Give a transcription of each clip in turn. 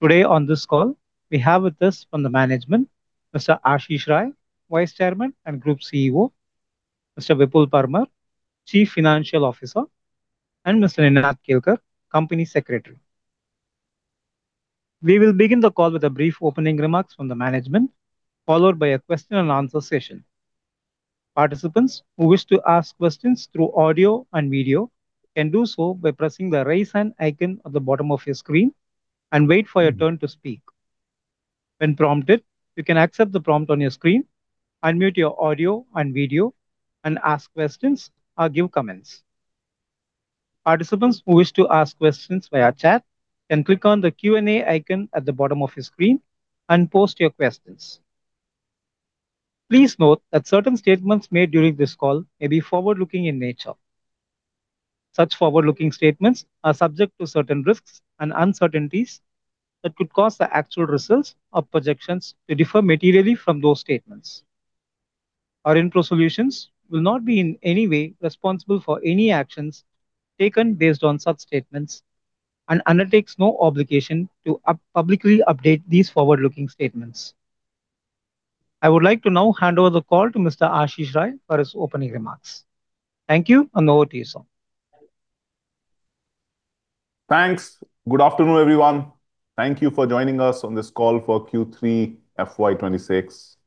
Today on this call, we have with us from the management, Mr. Ashish Rai, Vice Chairman and Group CEO, Mr. Vipul Parmar, Chief Financial Officer, and Mr. Ninad Kelkar, Company Secretary. We will begin the call with a brief opening remarks from the management, followed by a question and answer session. Participants who wish to ask questions through audio and video can do so by pressing the Raise Hand icon at the bottom of your screen and wait for your turn to speak. When prompted, you can accept the prompt on your screen, unmute your audio and video, and ask questions or give comments. Participants who wish to ask questions via chat can click on the Q&A icon at the bottom of your screen and post your questions. Please note that certain statements made during this call may be forward-looking in nature. Such forward-looking statements are subject to certain risks and uncertainties that could cause the actual results or projections to differ materially from those statements. Aurionpro Solutions will not be in any way responsible for any actions taken based on such statements and undertakes no obligation to publicly update these forward-looking statements. I would like to now hand over the call to Mr. Ashish Rai for his opening remarks. Thank you, and over to you, sir. Thanks. Good afternoon, everyone. Thank you for joining us on this call for Q3 FY 2026.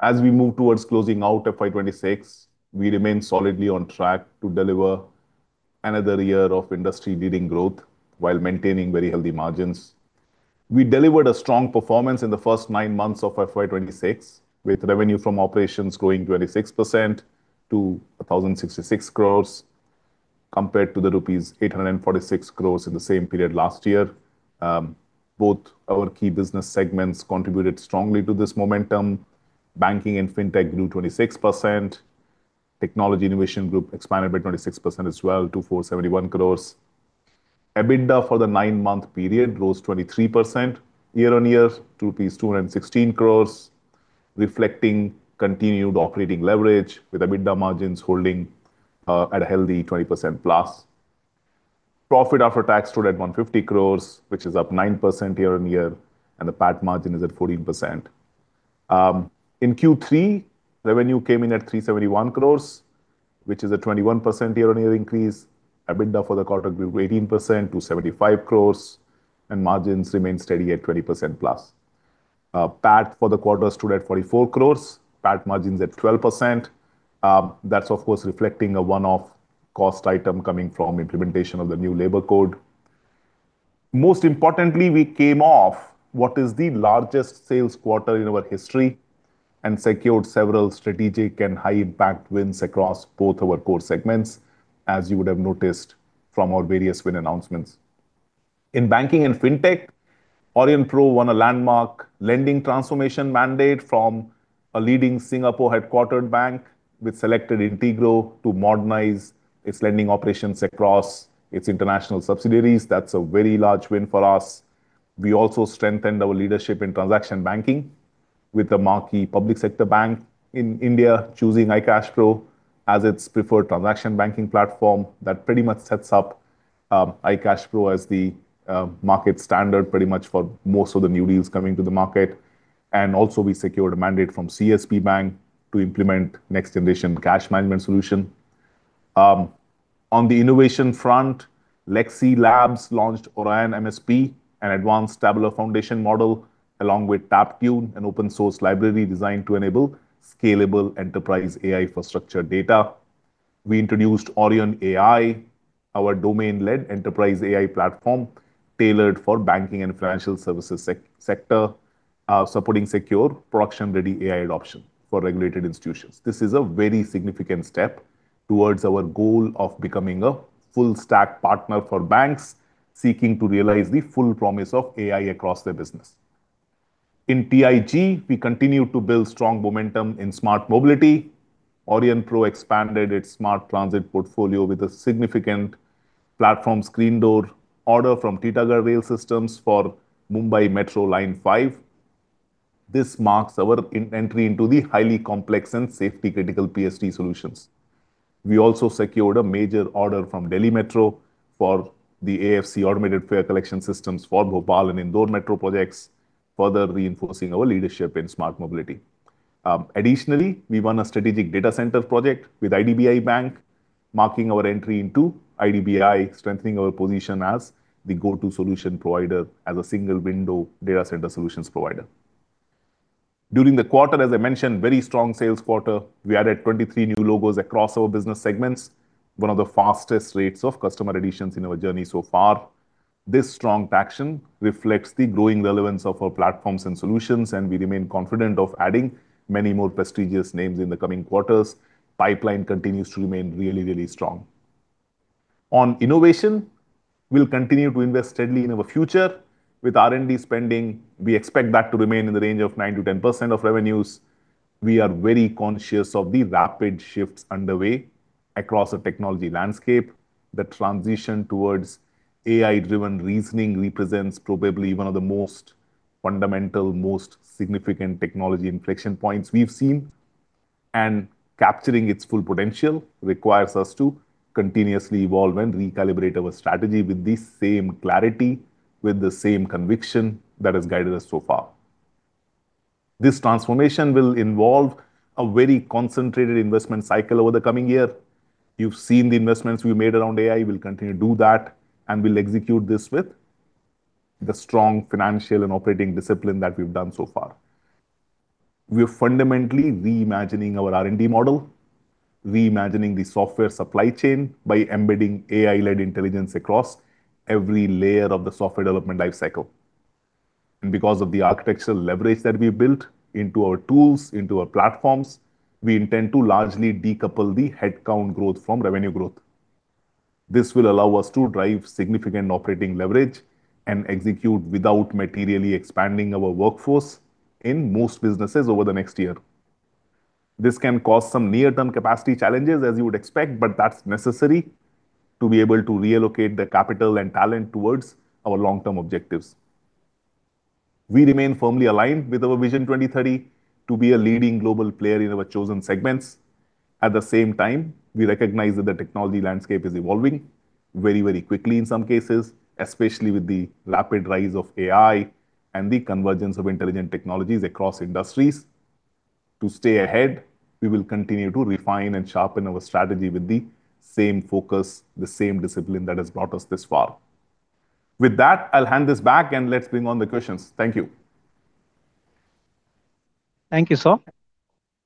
As we move towards closing out FY 2026, we remain solidly on track to deliver another year of industry-leading growth while maintaining very healthy margins. We delivered a strong performance in the first nine months of FY 2026, with revenue from operations growing 26% to 1,066 crores, compared to rupees 846 crores in the same period last year. Both our key business segments contributed strongly to this momentum. Banking and Fintech grew 26%. Technology Innovation Group expanded by 26% as well to 471 crores. EBITDA for the nine-month period rose 23% year-on-year, 216 crores, reflecting continued operating leverage, with EBITDA margins holding at a healthy 20%+. Profit after tax stood at 150 crore, which is up 9% year-on-year, and the PAT margin is at 14%. In Q3, revenue came in at 371 crore, which is a 21% year-on-year increase. EBITDA for the quarter grew 18% to 75 crore, and margins remained steady at 20%+. PAT for the quarter stood at 44 crore, PAT margins at 12%. That's of course, reflecting a one-off cost item coming from implementation of the new labor code. Most importantly, we came off what is the largest sales quarter in our history and secured several strategic and high-impact wins across both our core segments, as you would have noticed from our various win announcements. In banking and fintech, Aurionpro won a landmark lending transformation mandate from a leading Singapore-headquartered bank, with selected Integro to modernize its lending operations across its international subsidiaries. That's a very large win for us. We also strengthened our leadership in transaction banking with the marquee public sector bank in India, choosing iCashpro+ as its preferred transaction banking platform. That pretty much sets up iCashpro+ as the market standard pretty much for most of the new deals coming to the market. Also, we secured a mandate from CSB Bank to implement next-generation cash management solution. On the innovation front, Lexsi Labs launched Aurion-MSP, an advanced tabular foundation model, along with TabTune, an open-source library designed to enable scalable enterprise AI infrastructure data. We introduced AurionAI, our domain-led enterprise AI platform, tailored for banking and financial services sector, supporting secure production-ready AI adoption for regulated institutions. This is a very significant step towards our goal of becoming a full-stack partner for banks seeking to realize the full promise of AI across their business. In Integro, we continue to build strong momentum in smart mobility. Aurionpro expanded its smart transit portfolio with a significant platform screen door order from Titagarh Rail Systems for Mumbai Metro Line 5. This marks our entry into the highly complex and safety-critical PSD solutions. We also secured a major order from Delhi Metro for the AFC automated fare collection systems for Bhopal and Indore Metro projects, further reinforcing our leadership in smart mobility. Additionally, we won a strategic data center project with IDBI Bank, marking our entry into IDBI, strengthening our position as the go-to solution provider as a single window data center solutions provider. During the quarter, as I mentioned, very strong sales quarter. We added 23 new logos across our business segments, one of the fastest rates of customer additions in our journey so far. This strong traction reflects the growing relevance of our platforms and solutions, and we remain confident of adding many more prestigious names in the coming quarters. Pipeline continues to remain really, really strong. On innovation, we'll continue to invest steadily in our future. With R&D spending, we expect that to remain in the range of 9%-10% of revenues. We are very conscious of the rapid shifts underway across the technology landscape. The transition towards AI-driven reasoning represents probably one of the most fundamental, most significant technology inflection points we've seen... and capturing its full potential requires us to continuously evolve and recalibrate our strategy with the same clarity, with the same conviction that has guided us so far. This transformation will involve a very concentrated investment cycle over the coming year. You've seen the investments we made around AI. We'll continue to do that, and we'll execute this with the strong financial and operating discipline that we've done so far. We're fundamentally reimagining our R&D model, reimagining the software supply chain by embedding AI-led intelligence across every layer of the software development life cycle. Because of the architectural leverage that we built into our tools, into our platforms, we intend to largely decouple the headcount growth from revenue growth. This will allow us to drive significant operating leverage and execute without materially expanding our workforce in most businesses over the next year. This can cause some near-term capacity challenges, as you would expect, but that's necessary to be able to reallocate the capital and talent towards our long-term objectives. We remain firmly aligned with our Vision 2030 to be a leading global player in our chosen segments. At the same time, we recognize that the technology landscape is evolving very, very quickly in some cases, especially with the rapid rise of AI and the convergence of intelligent technologies across industries. To stay ahead, we will continue to refine and sharpen our strategy with the same focus, the same discipline that has brought us this far. With that, I'll hand this back, and let's bring on the questions. Thank you. Thank you, sir.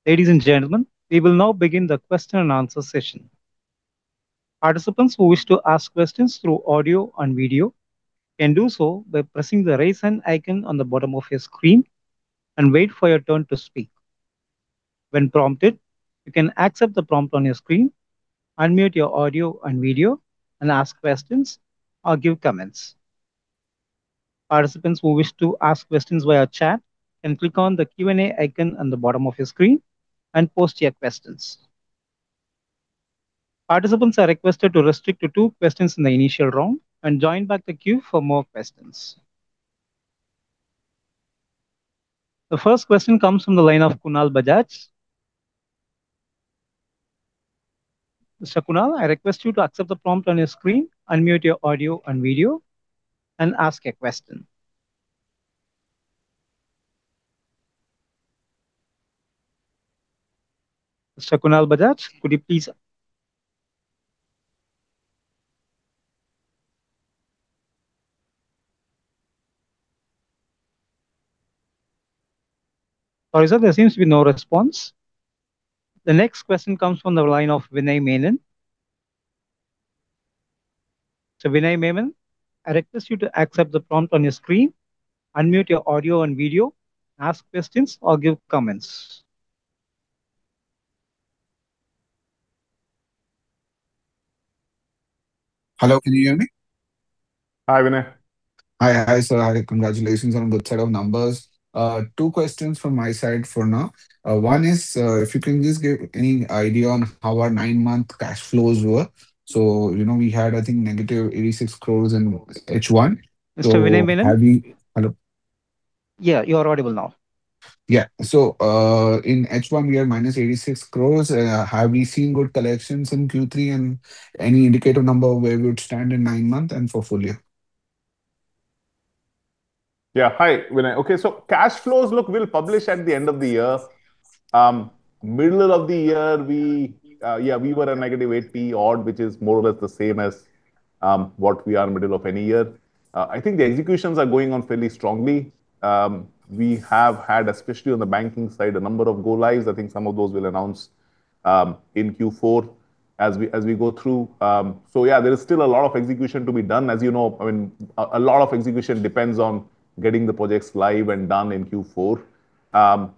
Ladies and gentlemen, we will now begin the question and answer session. Participants who wish to ask questions through audio and video can do so by pressing the Raise Hand icon on the bottom of your screen and wait for your turn to speak. When prompted, you can accept the prompt on your screen, unmute your audio and video, and ask questions or give comments. Participants who wish to ask questions via chat can click on the Q&A icon on the bottom of your screen and post your questions. Participants are requested to restrict to two questions in the initial round and join back the queue for more questions. The first question comes from the line of Kunal Bajaj. Mr. Kunal, I request you to accept the prompt on your screen, unmute your audio and video, and ask a question. Mr. Kunal Bajaj, could you please. Sorry, sir, there seems to be no response. The next question comes from the line of Vinay Menon. So Vinay Menon, I request you to accept the prompt on your screen, unmute your audio and video, ask questions or give comments. Hello, can you hear me? Hi, Vinay. Hi. Hi, sir. Congratulations on the good set of numbers. Two questions from my side for now. One is, if you can just give any idea on how our 9-month cash flows were. So, you know, we had, I think, -86 crores in H1. Mr. Vinay Menon? Hello. Yeah, you are audible now. Yeah. So, in H1, we had -86 crores. Have we seen good collections in Q3, and any indicator number where we would stand in nine month and for full year? Yeah. Hi, Vinay. Okay, so cash flows, look, we'll publish at the end of the year. Middle of the year, we were a -80-odd, which is more or less the same as what we are in middle of any year. I think the executions are going on fairly strongly. We have had, especially on the banking side, a number of go-lives. I think some of those we'll announce in Q4 as we go through. So yeah, there is still a lot of execution to be done. As you know, I mean, a lot of execution depends on getting the projects live and done in Q4.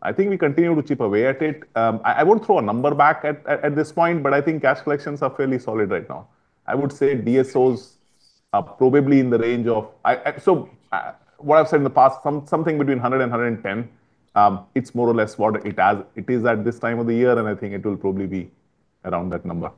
I think we continue to chip away at it. I won't throw a number back at this point, but I think cash collections are fairly solid right now. I would say DSOs are probably in the range of... what I've said in the past, something between 100 and 110. It's more or less what it is at this time of the year, and I think it will probably be around that number.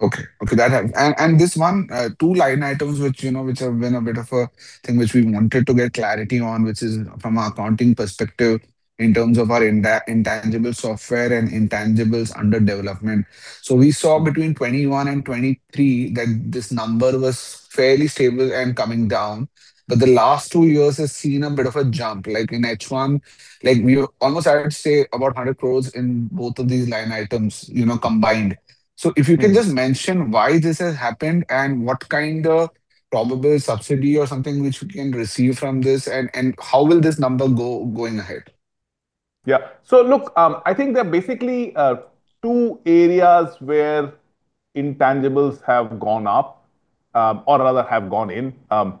Okay. Okay, that helps. And this one, two line items which, you know, which have been a bit of a thing which we wanted to get clarity on, which is from an accounting perspective, in terms of our intangible software and intangibles under development. So we saw between 2021 and 2023 that this number was fairly stable and coming down, but the last two years has seen a bit of a jump. Like in H1, like, we almost, I would say, about 100 crore in both of these line items, you know, combined. So if you can just mention why this has happened and what kind of probable subsidy or something which we can receive from this, and how will this number go going ahead? Yeah. So look, I think there are basically two areas where intangibles have gone up, or rather have gone in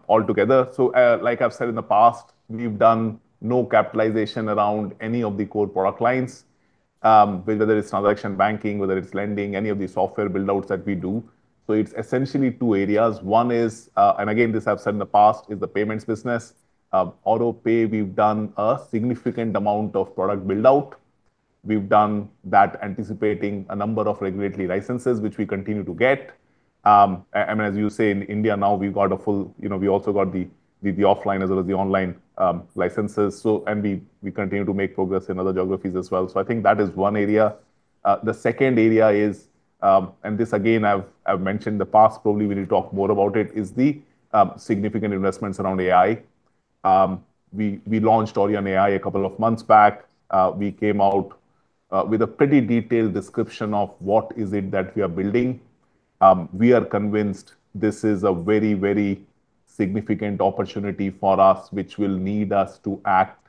altogether. So, like I've said in the past, we've done no capitalization around any of the core product lines, whether it's transaction banking, whether it's lending, any of the software build-outs that we do. So it's essentially two areas. One is... And again, this I've said in the past, is the payments business. AuroPay, we've done a significant amount of product build-out. We've done that anticipating a number of regulatory licenses, which we continue to get.... and as you say, in India now we've got a full, you know, we also got the, the, the offline as well as the online, licenses. So - and we, we continue to make progress in other geographies as well. So I think that is one area. The second area is, and this again, I've, I've mentioned in the past, probably we need to talk more about it, is the significant investments around AI. We launched AurionAI a couple of months back. We came out with a pretty detailed description of what is it that we are building. We are convinced this is a very, very significant opportunity for us, which will need us to act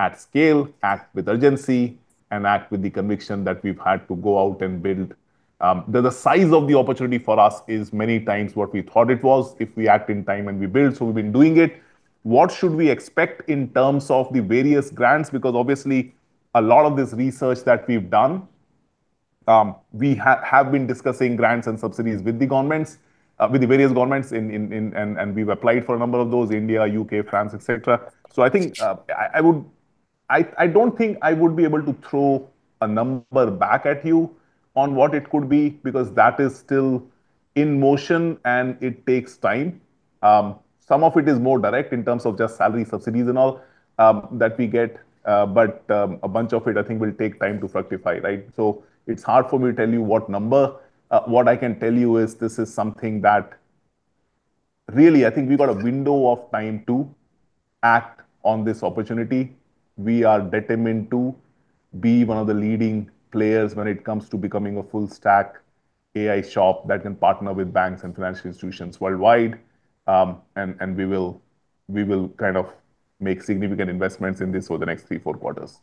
at scale, act with urgency, and act with the conviction that we've had to go out and build. The size of the opportunity for us is many times what we thought it was if we act in time and we build. So we've been doing it. What should we expect in terms of the various grants? Because obviously, a lot of this research that we've done, we have been discussing grants and subsidies with the governments, with the various governments in... And, and we've applied for a number of those in India, U.K., France, et cetera. So I think, I would—I, I don't think I would be able to throw a number back at you on what it could be, because that is still in motion, and it takes time. Some of it is more direct in terms of just salary subsidies and all, that we get. But, a bunch of it, I think, will take time to fructify, right? So it's hard for me to tell you what number. What I can tell you is this is something that really, I think we've got a window of time to act on this opportunity. We are determined to be one of the leading players when it comes to becoming a full stack AI shop that can partner with banks and financial institutions worldwide. And we will kind of make significant investments in this over the next 3-4 quarters.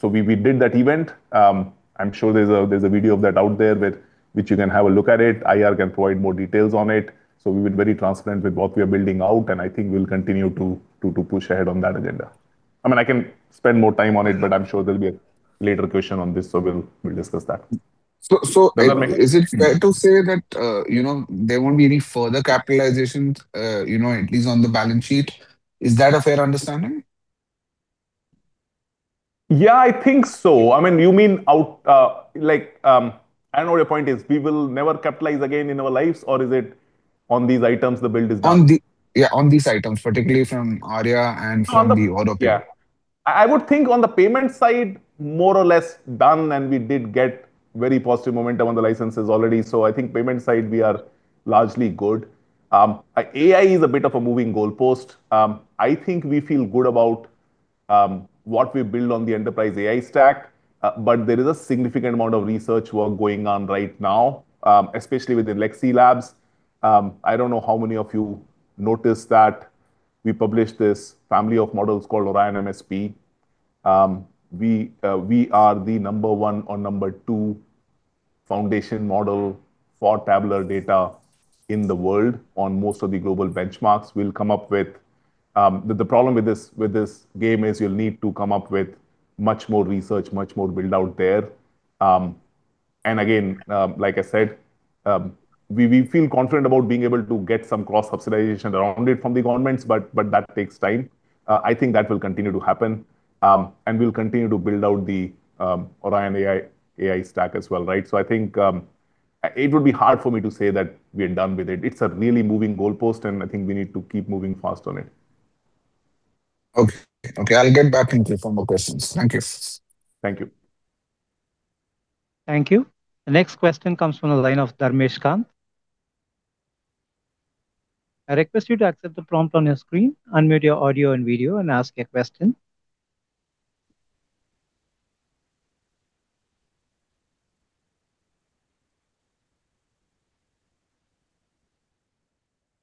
So we did that event. I'm sure there's a video of that out there with which you can have a look at it. IR can provide more details on it. So we were very transparent with what we are building out, and I think we'll continue to push ahead on that agenda. I mean, I can spend more time on it, but I'm sure there'll be a later question on this, so we'll discuss that. So, is it fair to say that, you know, there won't be any further capitalizations, you know, at least on the balance sheet? Is that a fair understanding? Yeah, I think so. I mean, you mean out, like, I don't know what your point is. We will never capitalize again in our lives, or is it on these items, the build is done? Yeah, on these items, particularly from Arya and from the AuroPay. Yeah. I would think on the payment side, more or less done, and we did get very positive momentum on the licenses already. So I think payment side, we are largely good. AI is a bit of a moving goalpost. I think we feel good about what we build on the enterprise AI stack. But there is a significant amount of research work going on right now, especially with the Lexsi Labs. I don't know how many of you noticed that we published this family of models called Aurion-MSP. We are the number one or number two foundation model for tabular data in the world on most of the global benchmarks. We'll come up with... The problem with this game is you'll need to come up with much more research, much more build out there. And again, like I said, we feel confident about being able to get some cross-subsidization around it from the governments, but that takes time. I think that will continue to happen, and we'll continue to build out the AurionAI AI stack as well, right? So I think it would be hard for me to say that we are done with it. It's a really moving goalpost, and I think we need to keep moving fast on it. Okay. Okay, I'll get back to you for more questions. Thank you. Thank you. Thank you. The next question comes from the line of Dharmesh Kant. I request you to accept the prompt on your screen, unmute your audio and video, and ask your question.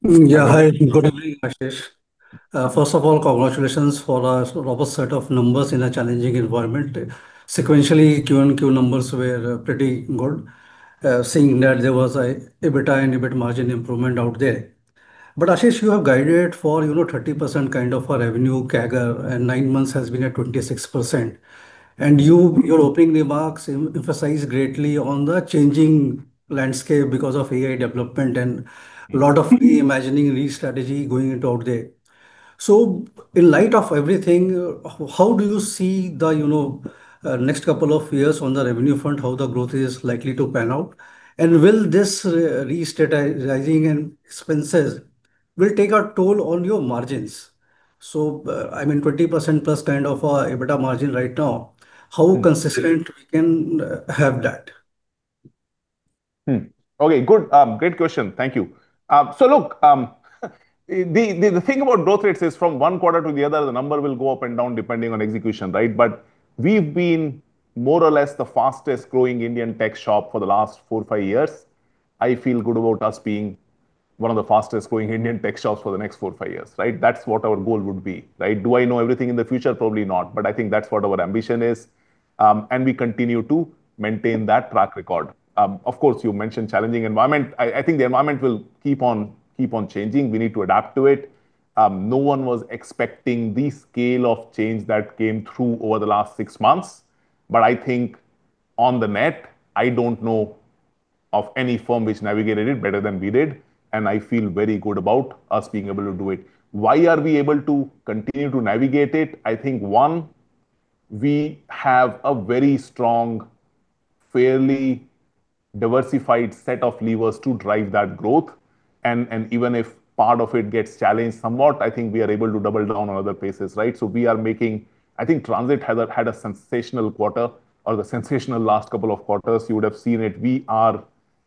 Yeah, hi. Good evening, Ashish. First of all, congratulations for a robust set of numbers in a challenging environment. Sequentially, Q&Q numbers were pretty good, seeing that there was an EBITDA and EBIT margin improvement out there. But Ashish, you have guided for, you know, 30% kind of a revenue CAGR, and nine months has been at 26%. And you, your opening remarks emphasize greatly on the changing landscape because of AI development and a lot of reimagining, re-strategy going out there. So in light of everything, how do you see the, you know, next couple of years on the revenue front, how the growth is likely to pan out? And will this restructuring and expenses will take a toll on your margins? So, I mean, 20%+ kind of an EBITDA margin right now, how consistent we can have that? Okay, good. Great question. Thank you. So look, the thing about growth rates is from one quarter to the other, the number will go up and down depending on execution, right? But we've been more or less the fastest growing Indian tech shop for the last four, five years. I feel good about us being one of the fastest growing Indian tech shops for the next four, five years, right? That's what our goal would be, right? Do I know everything in the future? Probably not. But I think that's what our ambition is. And we continue to maintain that track record. Of course, you mentioned challenging environment. I think the environment will keep on, keep on changing. We need to adapt to it. No one was expecting the scale of change that came through over the last six months, but I think on the net, I don't know of any firm which navigated it better than we did, and I feel very good about us being able to do it. Why are we able to continue to navigate it? I think we have a very strong, fairly diversified set of levers to drive that growth. And even if part of it gets challenged somewhat, I think we are able to double down on other places, right? So we are making. I think Transit has had a sensational quarter or the sensational last couple of quarters. You would have seen it.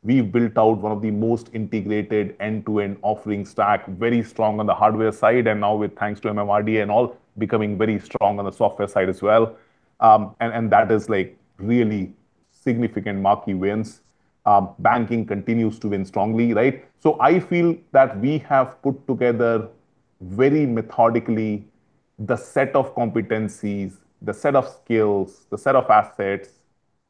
We've built out one of the most integrated end-to-end offering stack, very strong on the hardware side, and now with thanks to MMRDA and all, becoming very strong on the software side as well. And that is like really significant marquee wins. Banking continues to win strongly, right? So I feel that we have put together very methodically the set of competencies, the set of skills, the set of assets,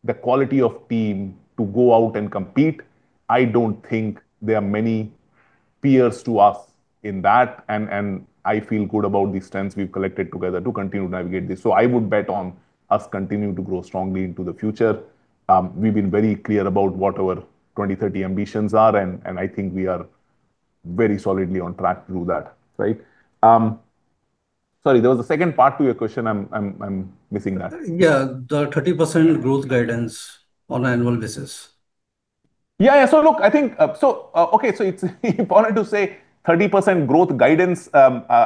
the quality of team to go out and compete. I don't think there are many peers to us in that, and I feel good about the strengths we've collected together to continue to navigate this. So I would bet on us continuing to grow strongly into the future. We've been very clear about what our 2030 ambitions are, and I think we are very solidly on track to do that, right? Sorry, there was a second part to your question. I'm missing that. Yeah, the 30% growth guidance on an annual basis. Yeah, yeah. So look, I think, okay, so it's important to say 30% growth guidance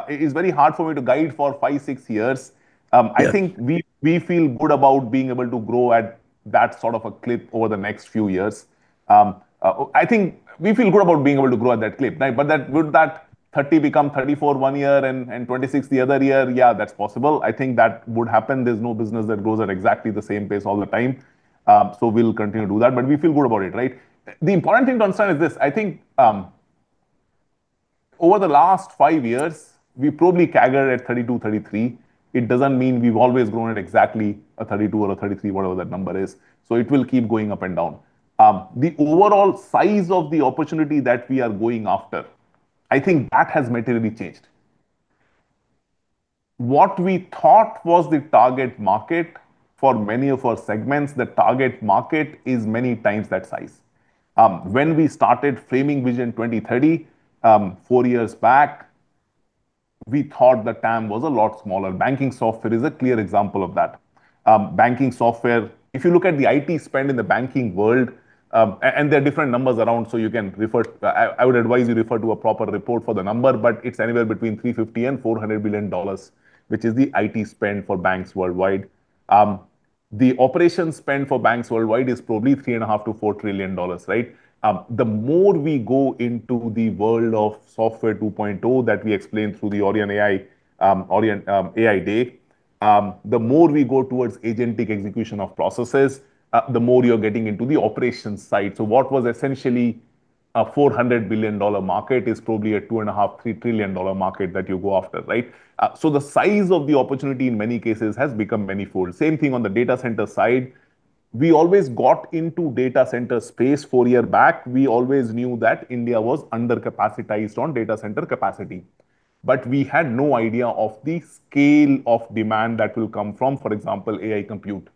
is very hard for me to guide for five, six years. Yes. I think we feel good about being able to grow at that sort of a clip over the next few years. I think we feel good about being able to grow at that clip. But that—would that 30 become 34 one year and 26 the other year? Yeah, that's possible. I think that would happen. There's no business that grows at exactly the same pace all the time. So we'll continue to do that, but we feel good about it, right? The important thing to understand is this: I think, over the last 5 years, we've probably CAGRed at 32, 33. It doesn't mean we've always grown at exactly a 32 or a 33, whatever that number is, so it will keep going up and down. The overall size of the opportunity that we are going after, I think that has materially changed. What we thought was the target market for many of our segments, the target market is many times that size. When we started framing Vision 2030, 4 years back, we thought the TAM was a lot smaller. Banking software is a clear example of that. Banking software, if you look at the IT spend in the banking world, and there are different numbers around, so you can refer. I would advise you refer to a proper report for the number, but it's anywhere between $350 billion-$400 billion, which is the IT spend for banks worldwide. The operation spend for banks worldwide is probably $3.5 trillion-$4 trillion, right? The more we go into the world of Software 2.0 that we explained through the AurionAI, AurionAI Day, the more we go towards agentic execution of processes, the more you're getting into the operations side. So what was essentially a $400 billion market is probably a $2.5-$3 trillion market that you go after, right? So the size of the opportunity in many cases has become manifold. Same thing on the data center side. We always got into data center space 4 years back. We always knew that India was under-capacitated on data center capacity, but we had no idea of the scale of demand that will come from, for example, AI compute.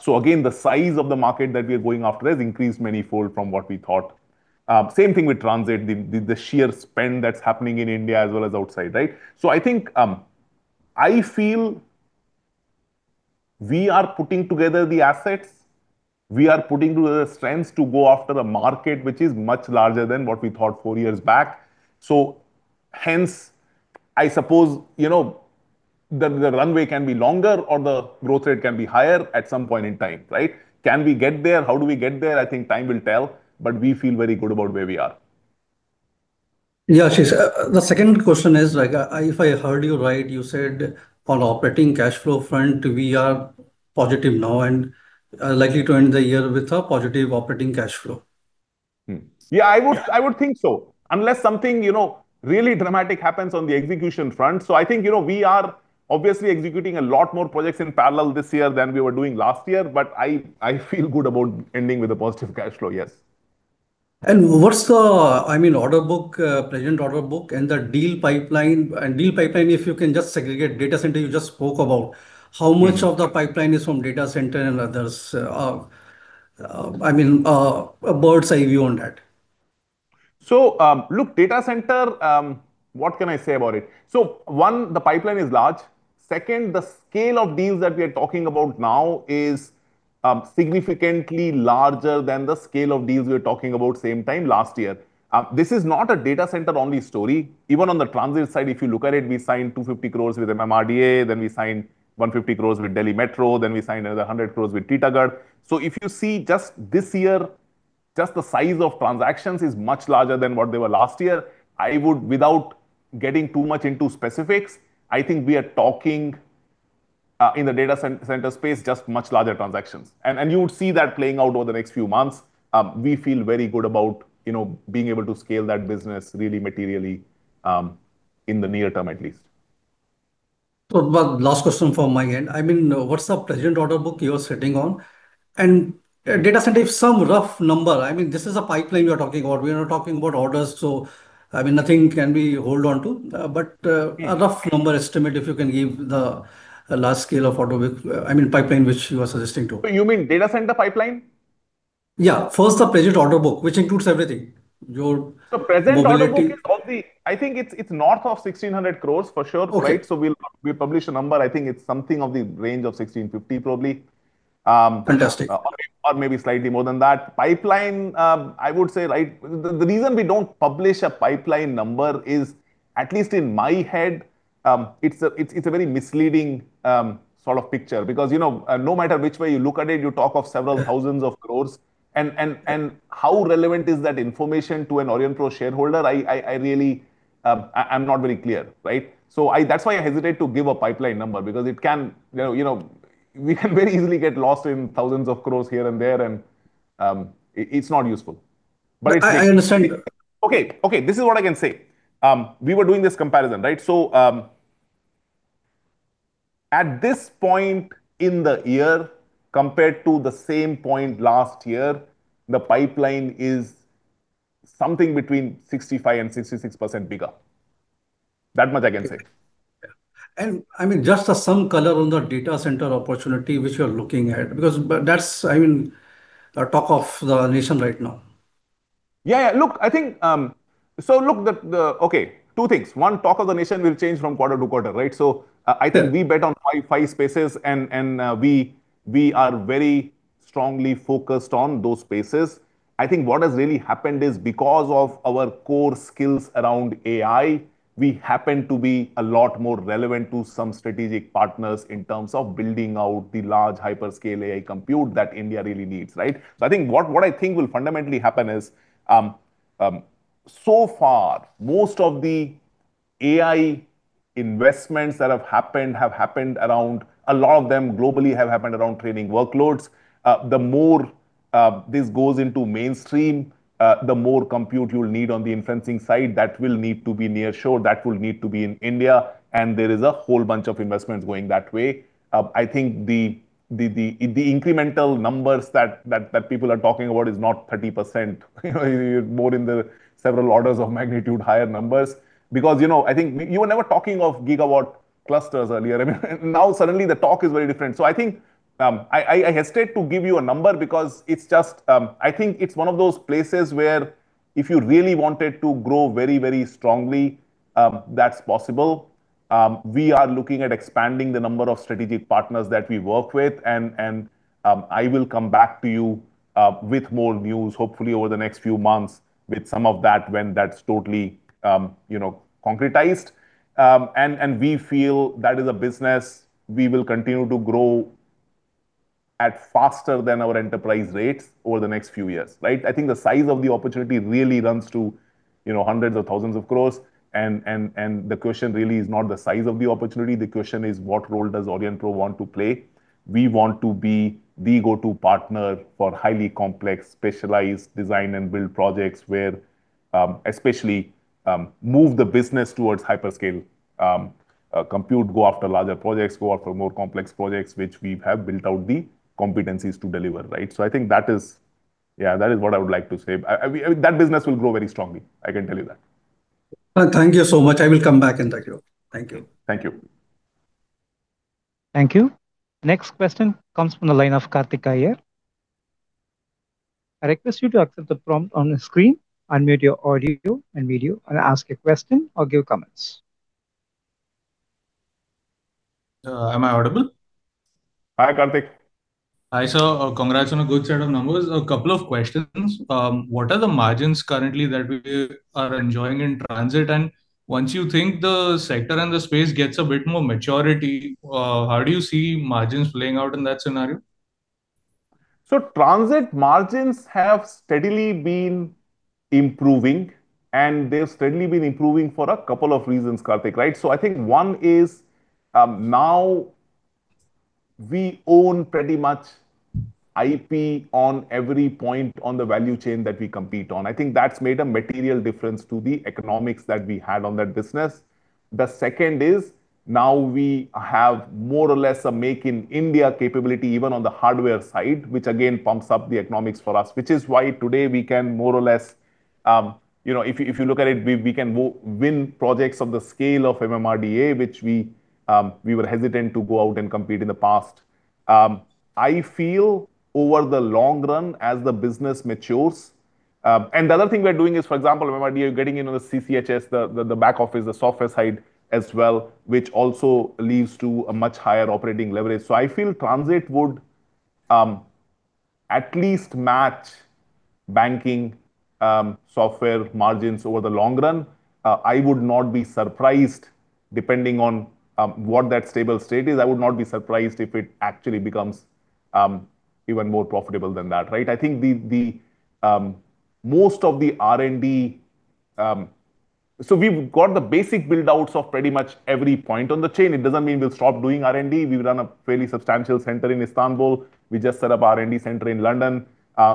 So again, the size of the market that we are going after has increased manifold from what we thought. Same thing with transit, the sheer spend that's happening in India as well as outside, right? So I think, I feel we are putting together the assets, we are putting together the strengths to go after the market, which is much larger than what we thought four years back. So hence, I suppose, you know, the runway can be longer or the growth rate can be higher at some point in time, right? Can we get there? How do we get there? I think time will tell, but we feel very good about where we are. The second question is, like, if I heard you right, you said on operating cash flow front, we are positive now and likely to end the year with a positive operating cash flow. Hmm. Yeah, I would- Yeah. I would think so. Unless something, you know, really dramatic happens on the execution front. So I think, you know, we are obviously executing a lot more projects in parallel this year than we were doing last year, but I feel good about ending with a positive cash flow. Yes. What's the, I mean, present order book and the deal pipeline? And deal pipeline, if you can just segregate data center, you just spoke about. Hmm. How much of the pipeline is from data center and others? I mean, a bird's-eye view on that. So, look, data center, what can I say about it? One, the pipeline is large. Second, the scale of deals that we are talking about now is significantly larger than the scale of deals we were talking about same time last year. This is not a data center-only story. Even on the transit side, if you look at it, we signed 250 crores with MMRDA, then we signed 150 crores with Delhi Metro, then we signed another 100 crores with Titagarh. So if you see just this year, just the size of transactions is much larger than what they were last year. I would, without getting too much into specifics, I think we are talking in the data center space, just much larger transactions. And you would see that playing out over the next few months. We feel very good about, you know, being able to scale that business really materially, in the near term at least. So one last question from my end. I mean, what's the present order book you are sitting on? And data center, if some rough number... I mean, this is a pipeline we are talking about. We are not talking about orders, so, I mean, nothing can be held on to. But, Yeah A rough number estimate, if you can give the large scale of order with, I mean, pipeline, which you are suggesting to? You mean data center pipeline? Yeah, first the present order book, which includes everything. Your mobility- The present order book is of the, I think it's, it's north of 1,600 crores, for sure, right? Okay. We'll publish a number. I think it's something in the range of 1,650, probably. Fantastic. Or maybe slightly more than that. Pipeline, I would say, right, the reason we don't publish a pipeline number is, at least in my head, it's a very misleading sort of picture. Because, you know, no matter which way you look at it, you talk of several thousand crores. And how relevant is that information to an Aurionpro shareholder? I really, I'm not very clear, right? So I-- that's why I hesitate to give a pipeline number, because it can, you know, you know, we can very easily get lost in thousands of crores here and there, and, it's not useful. But it's- I understand. Okay, okay, this is what I can say. We were doing this comparison, right? So, at this point in the year, compared to the same point last year, the pipeline is something between 65% and 66% bigger. That much I can say. Yeah. And, I mean, just some color on the data center opportunity which you are looking at, but that's, I mean, the talk of the nation right now. Yeah, yeah. Look, I think. So look, okay, two things. One, talk of the nation will change from quarter to quarter, right? So, Yeah. I think we bet on five, five spaces, and we are very strongly focused on those spaces. I think what has really happened is because of our core skills around AI, we happen to be a lot more relevant to some strategic partners in terms of building out the large hyperscale AI compute that India really needs, right? So I think what I think will fundamentally happen is, so far, most of the AI investments that have happened have happened around a lot of them globally have happened around training workloads. The more this goes into mainstream, the more compute you'll need on the inferencing side, that will need to be near shore, that will need to be in India, and there is a whole bunch of investments going that way. I think the incremental numbers that people are talking about is not 30%, you know, more in the several orders of magnitude higher numbers. Because, you know, I think you were never talking of gigawatt clusters earlier. I mean, now suddenly the talk is very different. So I think, I hesitate to give you a number because it's just, I think it's one of those places where if you really want it to grow very, very strongly, that's possible. We are looking at expanding the number of strategic partners that we work with, and I will come back to you with more news, hopefully over the next few months, with some of that when that's totally, you know, concretized. And we feel that is a business we will continue to grow at faster than our enterprise rates over the next few years, right? I think the size of the opportunity really runs to, you know, hundreds of thousands of crores. And the question really is not the size of the opportunity, the question is: what role does Aurionpro want to play? We want to be the go-to partner for highly complex, specialized design and build projects where, especially, move the business towards hyperscale compute, go after larger projects, go after more complex projects, which we have built out the competencies to deliver, right? So I think that is. Yeah, that is what I would like to say. I, we - that business will grow very strongly, I can tell you that. Well, thank you so much. I will come back and thank you. Thank you. Thank you. Thank you. Next question comes from the line of Karthik Iyer. I request you to accept the prompt on the screen, unmute your audio and video, and ask a question or give comments. Am I audible? Hi, Karthik. Hi, sir. Congrats on a good set of numbers. A couple of questions. What are the margins currently that we are enjoying in transit? And once you think the sector and the space gets a bit more maturity, how do you see margins playing out in that scenario? So transit margins have steadily been improving, and they've steadily been improving for a couple of reasons, Karthik, right? So I think one is, now we own pretty much IP on every point on the value chain that we compete on. I think that's made a material difference to the economics that we had on that business. The second is, now we have more or less a Make in India capability, even on the hardware side, which again, pumps up the economics for us. Which is why today we can more or less, you know, if you look at it, we can win projects of the scale of MMRDA, which we were hesitant to go out and compete in the past. I feel over the long run, as the business matures... And the other thing we are doing is, for example, MMRDA are getting into the CCHS, the back office, the software side as well, which also leads to a much higher operating leverage. So I think Smart Transit would at least match banking software margins over the long run. I would not be surprised, depending on what that stable state is, I would not be surprised if it actually becomes even more profitable than that, right? I think the most of the R&D. So we've got the basic build-outs of pretty much every point on the chain. It doesn't mean we'll stop doing R&D. We've run a fairly substantial R&D center in Istanbul. We just set up R&D center in London.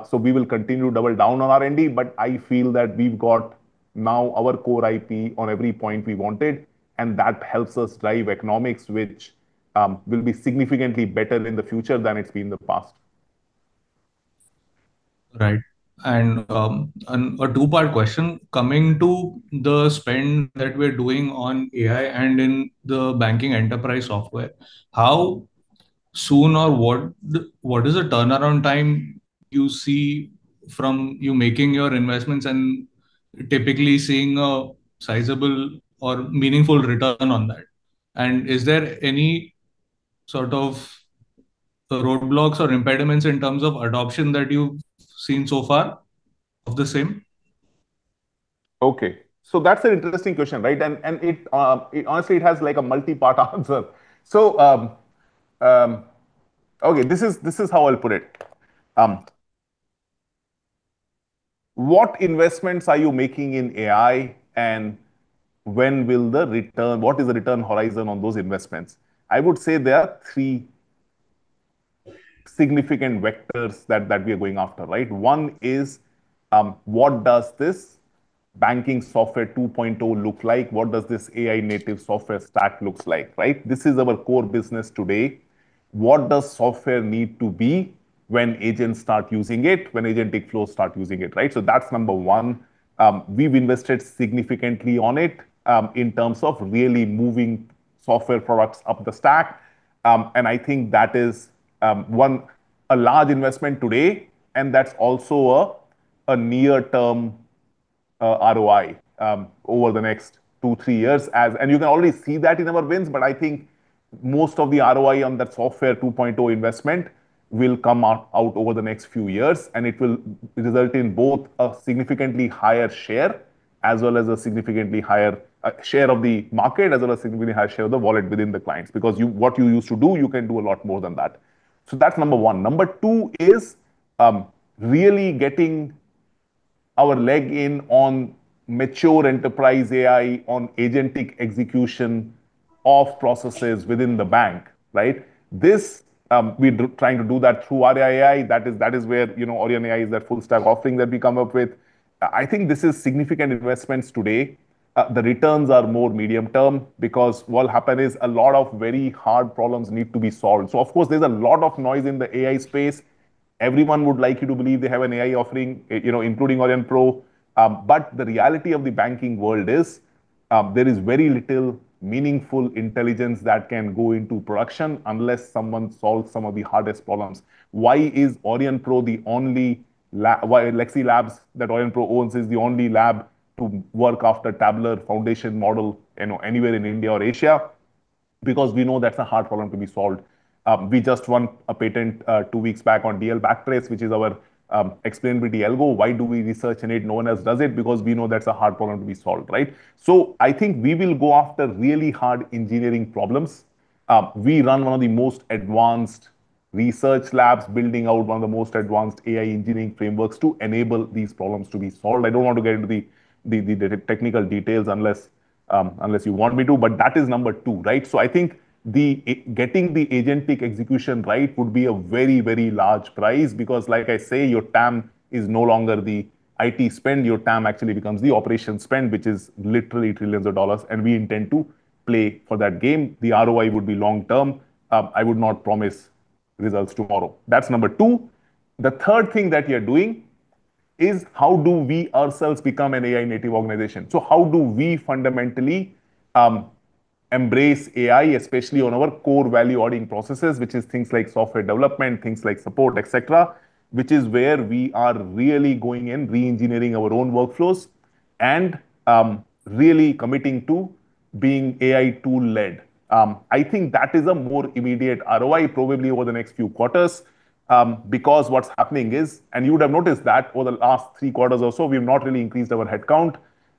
So, we will continue to double down on R&D, but I feel that we've got now our core IP on every point we wanted, and that helps us drive economics, which will be significantly better in the future than it's been in the past. Right. And a two-part question: coming to the spend that we're doing on AI and in the banking enterprise software, how soon or what is the turnaround time you see from you making your investments and typically seeing a sizable or meaningful return on that? And is there any sort of roadblocks or impediments in terms of adoption that you've seen so far of the same? Okay. So that's an interesting question, right? And, and it, it honestly, it has like a multi-part answer. So, okay, this is, this is how I'll put it. What investments are you making in AI, and when will the return—what is the return horizon on those investments? I would say there are three significant vectors that, that we are going after, right? One is, what does this banking Software 2.0 look like? What does this AI native software stack looks like, right? This is our core business today. What does software need to be when agents start using it, when agentic flows start using it, right? So that's number one. We've invested significantly on it, in terms of really moving software products up the stack. I think that is one, a large investment today, and that's also a near-term ROI over the next 2-3 years, and you can already see that in our wins, but I think most of the ROI on that Software 2.0 investment will come out over the next few years, and it will result in both a significantly higher share, as well as a significantly higher share of the market, as well as a significantly higher share of the wallet within the clients. Because what you used to do, you can do a lot more than that. So that's number one. Number two is really getting our leg in on mature enterprise AI, on agentic execution of processes within the bank, right? This, we're trying to do that through AurionAI. That is, that is where, you know, AurionAI is that full-stack offering that we come up with. I think this is significant investments today. The returns are more medium term because what will happen is a lot of very hard problems need to be solved. So of course, there's a lot of noise in the AI space. Everyone would like you to believe they have an AI offering, you know, including Aurionpro. But the reality of the banking world is, there is very little meaningful intelligence that can go into production unless someone solves some of the hardest problems. Why Lexsi Labs, that Aurionpro owns, is the only lab to work after Tabular Foundation Model, you know, anywhere in India or Asia? Because we know that's a hard problem to be solved. We just won a patent two weeks back on DL-Backtrace, which is our explainability algo. Why do we research in it? No one else does it, because we know that's a hard problem to be solved, right? So I think we will go after really hard engineering problems. We run one of the most advanced research labs, building out one of the most advanced AI engineering frameworks to enable these problems to be solved. I don't want to get into the technical details unless you want me to, but that is number two, right? So I think getting the agentic execution right would be a very, very large prize, because like I say, your TAM is no longer the IT spend. Your TAM actually becomes the operating spend, which is literally $ trillions, and we intend to play for that game. The ROI would be long term. I would not promise results tomorrow. That's number 2. The third thing that we are doing is: how do we ourselves become an AI-native organization? So how do we fundamentally embrace AI, especially on our core value-adding processes, which is things like software development, things like support, et cetera, which is where we are really going in, reengineering our own workflows, and really committing to being AI tool-led. I think that is a more immediate ROI, probably over the next few quarters. Because what's happening is, and you would have noticed that over the last 3 quarters or so, we've not really increased our headcount.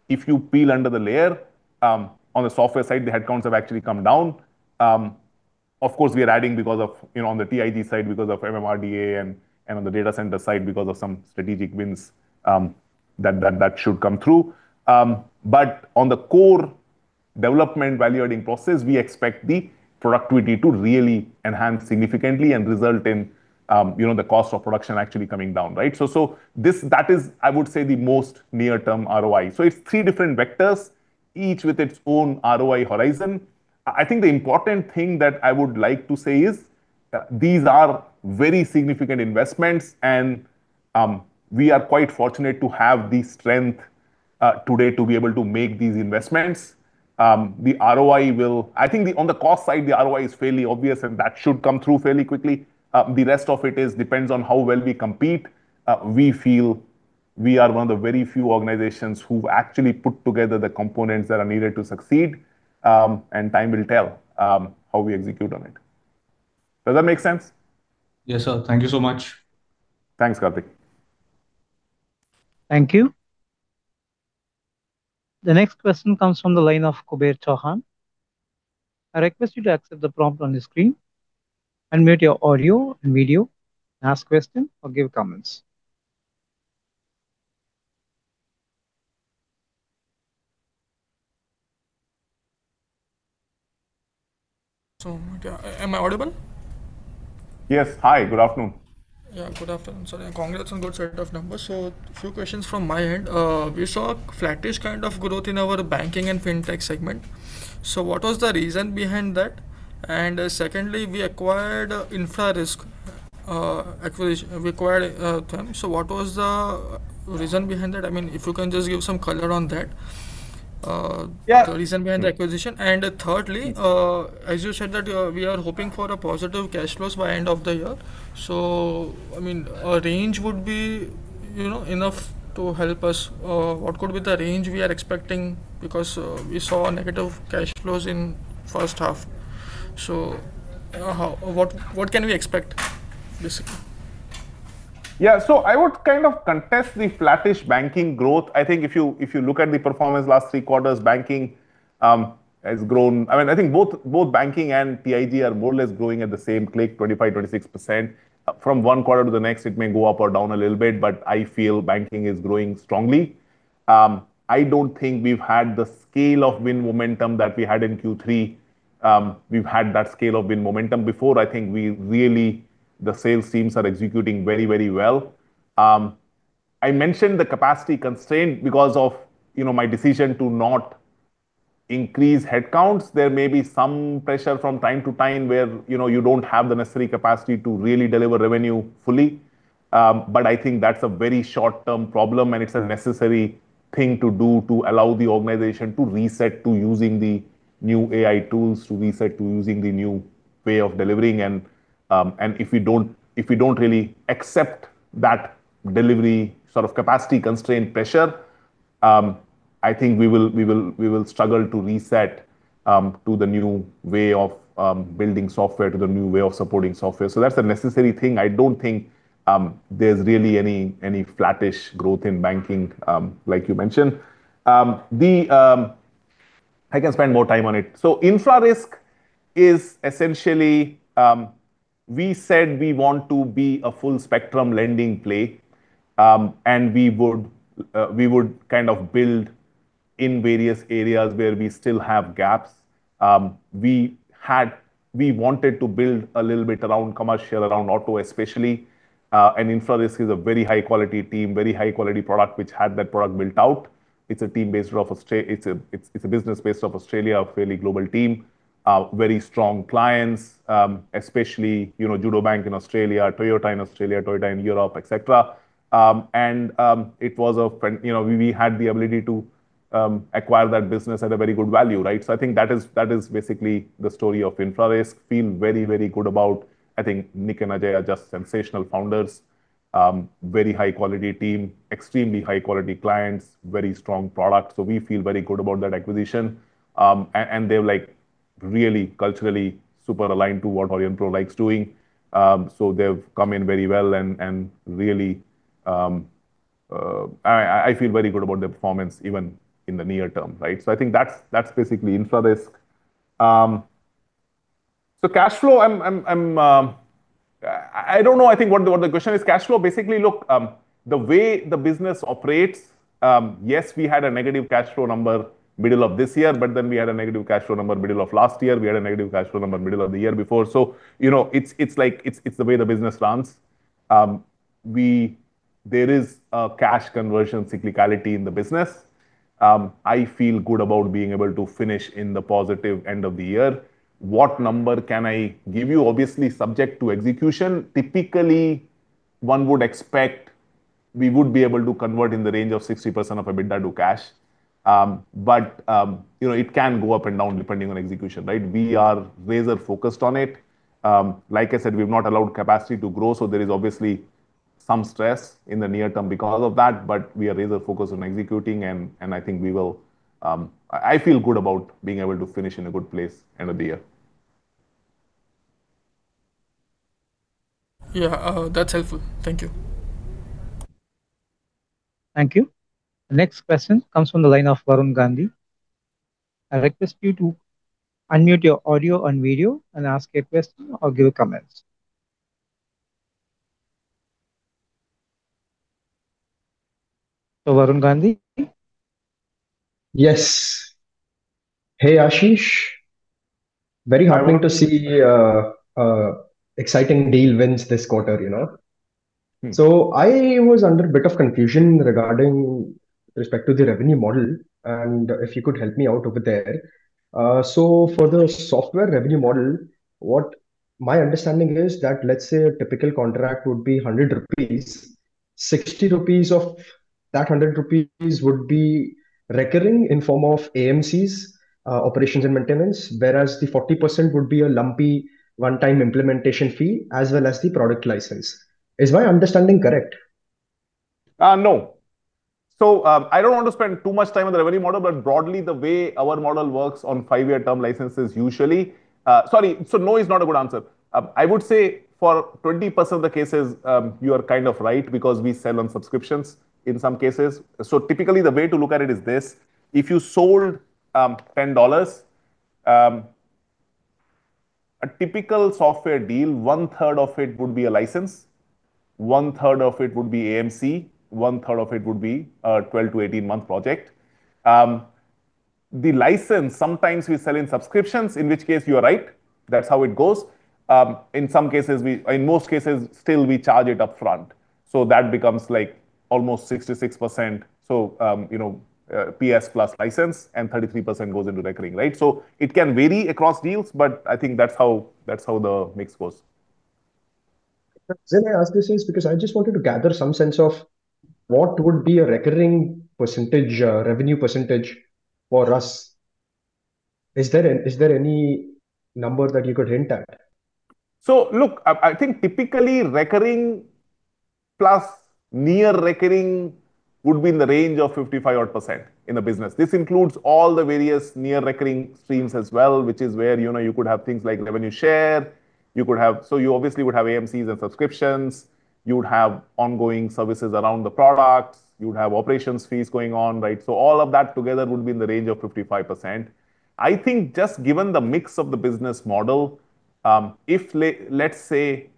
If you peel under the layer, on the software side, the headcounts have actually come down. Of course, we are adding because of, you know, on the TIG side, because of MMRDA and on the data center side, because of some strategic wins, that should come through. But on the core development value-adding process, we expect the productivity to really enhance significantly and result in, you know, the cost of production actually coming down, right? So, that is, I would say, the most near-term ROI. So it's three different vectors, each with its own ROI horizon. I think the important thing that I would like to say is, these are very significant investments, and we are quite fortunate to have the strength today to be able to make these investments. The ROI will... I think on the cost side, the ROI is fairly obvious, and that should come through fairly quickly. The rest of it is depends on how well we compete. We feel we are one of the very few organizations who've actually put together the components that are needed to succeed, and time will tell how we execute on it. Does that make sense? Yes, sir. Thank you so much. Thanks, Karthik. Thank you. The next question comes from the line of Kuber Chauhan. I request you to accept the prompt on the screen, unmute your audio and video, and ask question or give comments. So am I audible? Yes. Hi, good afternoon. Yeah, good afternoon, sir, and congratulations on good set of numbers. So few questions from my end. We saw a flattish kind of growth in our banking and fintech segment. So what was the reason behind that? And secondly, we acquired Infrarisk, acquisition—we acquired, them. So what was the reason behind that? I mean, if you can just give some color on that.... the reason behind the acquisition. And thirdly, as you said, that we are hoping for positive cash flows by end of the year. So, I mean, a range would be, you know, enough to help us. What could be the range we are expecting? Because, we saw negative cash flows in first half. So, how—what, what can we expect basically? Yeah. So I would kind of contest the flattish banking growth. I think if you, if you look at the performance last three quarters, banking has grown. I mean, I think both, both banking and TIG are more or less growing at the same clip, 25%-26%. From one quarter to the next, it may go up or down a little bit, but I feel banking is growing strongly. I don't think we've had the scale of win momentum that we had in Q3. We've had that scale of win momentum before. I think we really, the sales teams are executing very, very well. I mentioned the capacity constraint because of, you know, my decision to not increase headcounts. There may be some pressure from time to time where, you know, you don't have the necessary capacity to really deliver revenue fully. But I think that's a very short-term problem, and it's a necessary thing to do to allow the organization to reset to using the new AI tools, to reset to using the new way of delivering. And if we don't really accept that delivery sort of capacity constraint pressure, I think we will struggle to reset to the new way of building software, to the new way of supporting software. So that's a necessary thing. I don't think there's really any flattish growth in banking, like you mentioned. I can spend more time on it. So Infrarisk is essentially we said we want to be a full-spectrum lending play, and we would kind of build in various areas where we still have gaps. We wanted to build a little bit around commercial, around auto especially, and Infrarisk is a very high-quality team, very high-quality product, which had that product built out. It's a business based off Australia, a fairly global team, very strong clients, especially, you know, Judo Bank in Australia, Toyota in Australia, Toyota in Europe, etc. And it was, you know, we had the ability to acquire that business at a very good value, right? So I think that is basically the story of Infrarisk. Feel very, very good about... I think Nick and Ajay are just sensational founders. Very high-quality team, extremely high-quality clients, very strong product. So we feel very good about that acquisition. And they're, like, really culturally super aligned to what Aurionpro likes doing. So they've come in very well and really, I feel very good about their performance even in the near term, right? So I think that's basically Infrarisk. So cash flow, I'm, I don't know, I think what the question is. Cash flow, basically, look, the way the business operates, yes, we had a negative cash flow number middle of this year, but then we had a negative cash flow number middle of last year. We had a negative cash flow number middle of the year before. So, you know, it's like it's the way the business runs. There is a cash conversion cyclicality in the business. I feel good about being able to finish in the positive end of the year. What number can I give you? Obviously, subject to execution. Typically, one would expect we would be able to convert in the range of 60% of EBITDA to cash. But, you know, it can go up and down depending on execution, right? We are laser-focused on it. Like I said, we've not allowed capacity to grow, so there is obviously some stress in the near term because of that, but we are laser-focused on executing and I think we will. I feel good about being able to finish in a good place end of the year. Yeah, that's helpful. Thank you. Thank you. The next question comes from the line of Varun Gandhi. I request you to unmute your audio and video and ask a question or give comments. Varun Gandhi? Yes. Hey, Ashish. Very heartening to see exciting deal wins this quarter, you know? Mm. So I was under a bit of confusion with respect to the revenue model, and if you could help me out over there. So for the software revenue model, my understanding is that, let's say a typical contract would be 100 rupees, 60 rupees of that 100 rupees would be recurring in form of AMCs, operations and maintenance, whereas the 40% would be a lumpy one-time implementation fee as well as the product license. Is my understanding correct? No. So, I don't want to spend too much time on the revenue model, but broadly, the way our model works on five-year term licenses, usually. Sorry, so no is not a good answer. I would say for 20% of the cases, you are kind of right because we sell on subscriptions in some cases. So typically, the way to look at it is this: if you sold $10 a typical software deal, one-third of it would be a license, one-third of it would be AMC, one-third of it would be a 12-18-month project. The license, sometimes we sell in subscriptions, in which case you are right. That's how it goes. In some cases, we—in most cases, still, we charge it upfront, so that becomes like almost 66%. So, you know, PS plus license, and 33% goes into recurring, right? So it can vary across deals, but I think that's how, that's how the mix goes. The reason I ask this is because I just wanted to gather some sense of what would be a recurring percentage, revenue percentage for us. Is there any number that you could hint at? So, look, I think typically recurring plus near recurring would be in the range of 55 odd % in the business. This includes all the various near-recurring streams as well, which is where, you know, you could have things like revenue share, you could have. So you obviously would have AMCs and subscriptions, you would have ongoing services around the products, you would have operations fees going on, right? So all of that together would be in the range of 55%. I think just given the mix of the business model, if let's say,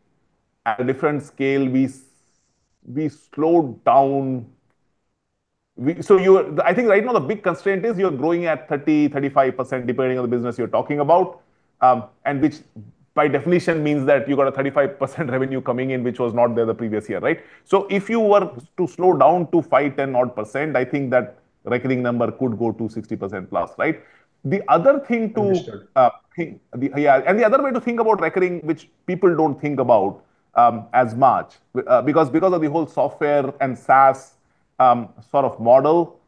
at a different scale, we slowed down. So you. I think right now the big constraint is you're growing at 30-35%, depending on the business you're talking about. and which by definition means that you got a 35% revenue coming in, which was not there the previous year, right? So if you were to slow down to 5-10 odd %, I think that recurring number could go to 60%+, right? The other thing to- Understood. Yeah, and the other way to think about recurring, which people don't think about as much, because, because of the whole software and SaaS sort of model,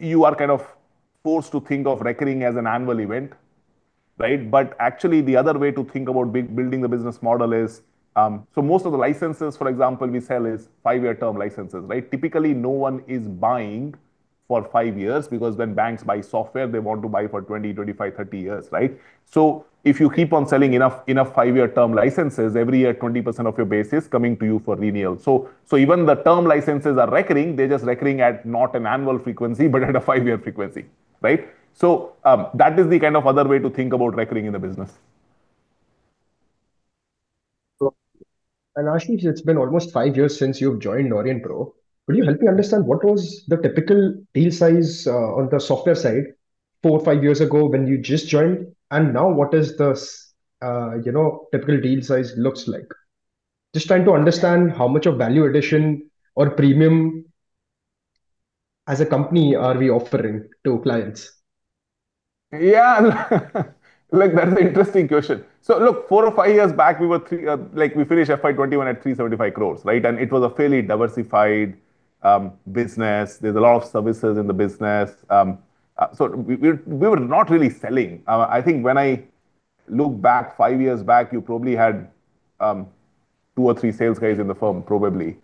you are kind of forced to think of recurring as an annual event, right? But actually, the other way to think about building the business model is... So most of the licenses, for example, we sell is 5-year term licenses, right? Typically, no one is buying for 5 years because when banks buy software, they want to buy for 20, 25, 30 years, right? So if you keep on selling enough 5-year term licenses, every year, 20% of your base is coming to you for renewal. So even the term licenses are recurring, they're just recurring at not an annual frequency, but at a 5-year frequency, right? That is the kind of other way to think about recurring in the business. Ashish, it's been almost 5 years since you've joined Aurionpro. Could you help me understand what was the typical deal size on the software side 4, 5 years ago when you just joined, and now what is the, you know, typical deal size looks like? Just trying to understand how much of value addition or premium as a company are we offering to clients. Yeah, look, that's an interesting question. So look, 4 or 5 years back, we were three, like, we finished FY 2021 at 375 crores, right? And it was a fairly diversified business. There's a lot of services in the business. So we were, we were not really selling. I think when I look back, 5 years back, you probably had 2 or 3 sales guys in the firm, probably.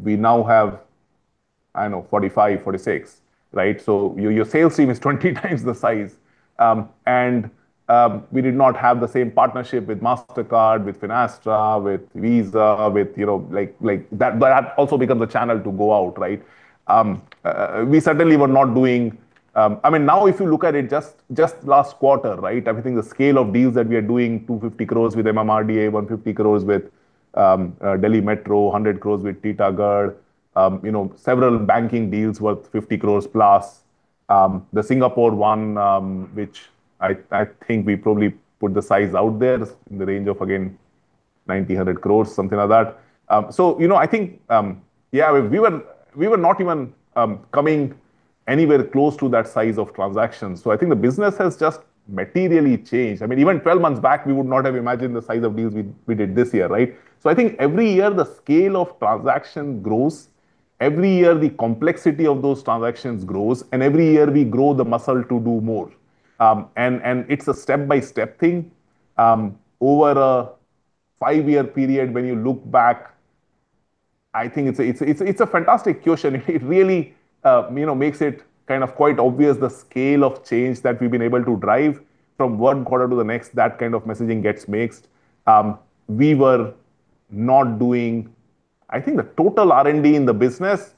We now have, I don't know, 45, 46, right? So your, your sales team is 20 times the size. We did not have the same partnership with Mastercard, with Finastra, with Visa, with, you know, like, like... That, that also becomes a channel to go out, right? We certainly were not doing... I mean, now if you look at it, just, just last quarter, right? I think the scale of deals that we are doing, 250 crores with MMRDA, 150 crores with, Delhi Metro, 100 crores with Titagarh, you know, several banking deals worth 50 crores+. The Singapore one, which I, I think we probably put the size out there in the range of, again, 90-100 crores, something like that. So, you know, I think, yeah, we were, we were not even, coming anywhere close to that size of transactions. So I think the business has just materially changed. I mean, even 12 months back, we would not have imagined the size of deals we, we did this year, right? So I think every year, the scale of transaction grows. Every year, the complexity of those transactions grows, and every year, we grow the muscle to do more. It's a step-by-step thing. Over a 5-year period, when you look back, I think it's a, it's a, it's a fantastic question. It really, you know, makes it kind of quite obvious the scale of change that we've been able to drive from one quarter to the next, that kind of messaging gets mixed. We were not doing. I think the total R&D in the business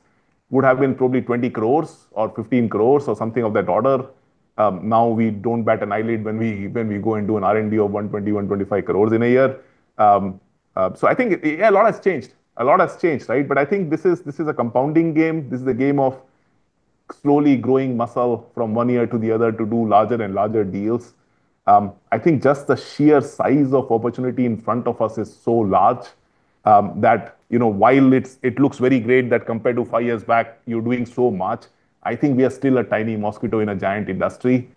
would have been probably 20 crores or 15 crores or something of that order. Now we don't bat an eyelid when we, when we go and do an R&D of 120, 125 crores in a year. So I think, yeah, a lot has changed. A lot has changed, right? But I think this is, this is a compounding game. This is a game of slowly growing muscle from one year to the other to do larger and larger deals. I think just the sheer size of opportunity in front of us is so large, that, you know, while it's, it looks very great that compared to five years back, you're doing so much, I think we are still a tiny mosquito in a giant industry.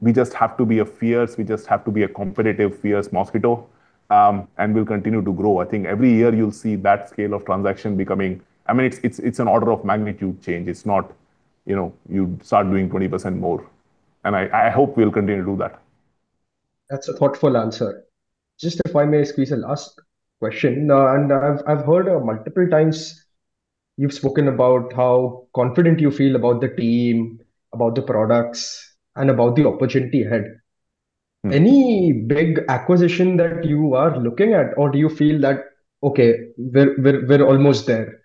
We just have to be a fierce, we just have to be a competitive, fierce mosquito, and we'll continue to grow. I think every year you'll see that scale of transaction becoming. I mean, it's, it's an order of magnitude change. It's not, you know, you start doing 20% more, and I, I hope we'll continue to do that. That's a thoughtful answer. Just if I may squeeze a last question, and I've, I've heard multiple times you've spoken about how confident you feel about the team, about the products, and about the opportunity ahead. Mm. Any big acquisition that you are looking at, or do you feel that, okay, we're almost there?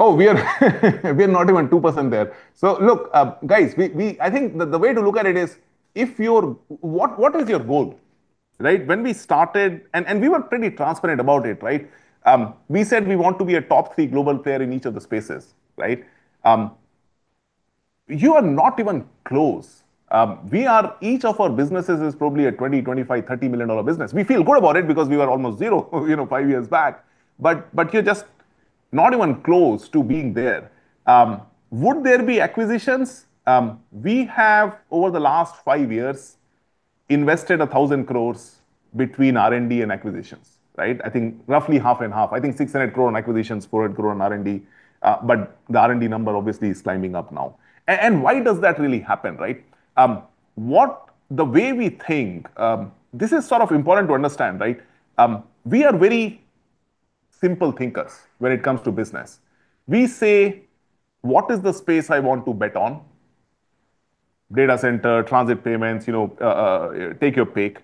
Oh, we are not even 2% there. So look, guys, I think the way to look at it is, what is your goal, right? When we started, we were pretty transparent about it, right? We said we want to be a top three global player in each of the spaces, right? You are not even close. Each of our businesses is probably a $20, 25, 30 million business. We feel good about it because we were almost zero, you know, five years back. But you're just not even close to being there. Would there be acquisitions? We have, over the last five years, invested 1,000 crore between R&D and acquisitions, right? I think roughly half and half. I think 600 crore in acquisitions, 400 crore in R&D, but the R&D number obviously is climbing up now. And why does that really happen, right? What the way we think, this is sort of important to understand, right? We are very simple thinkers when it comes to business. We say: What is the space I want to bet on? Data center, transit payments, you know, take your pick.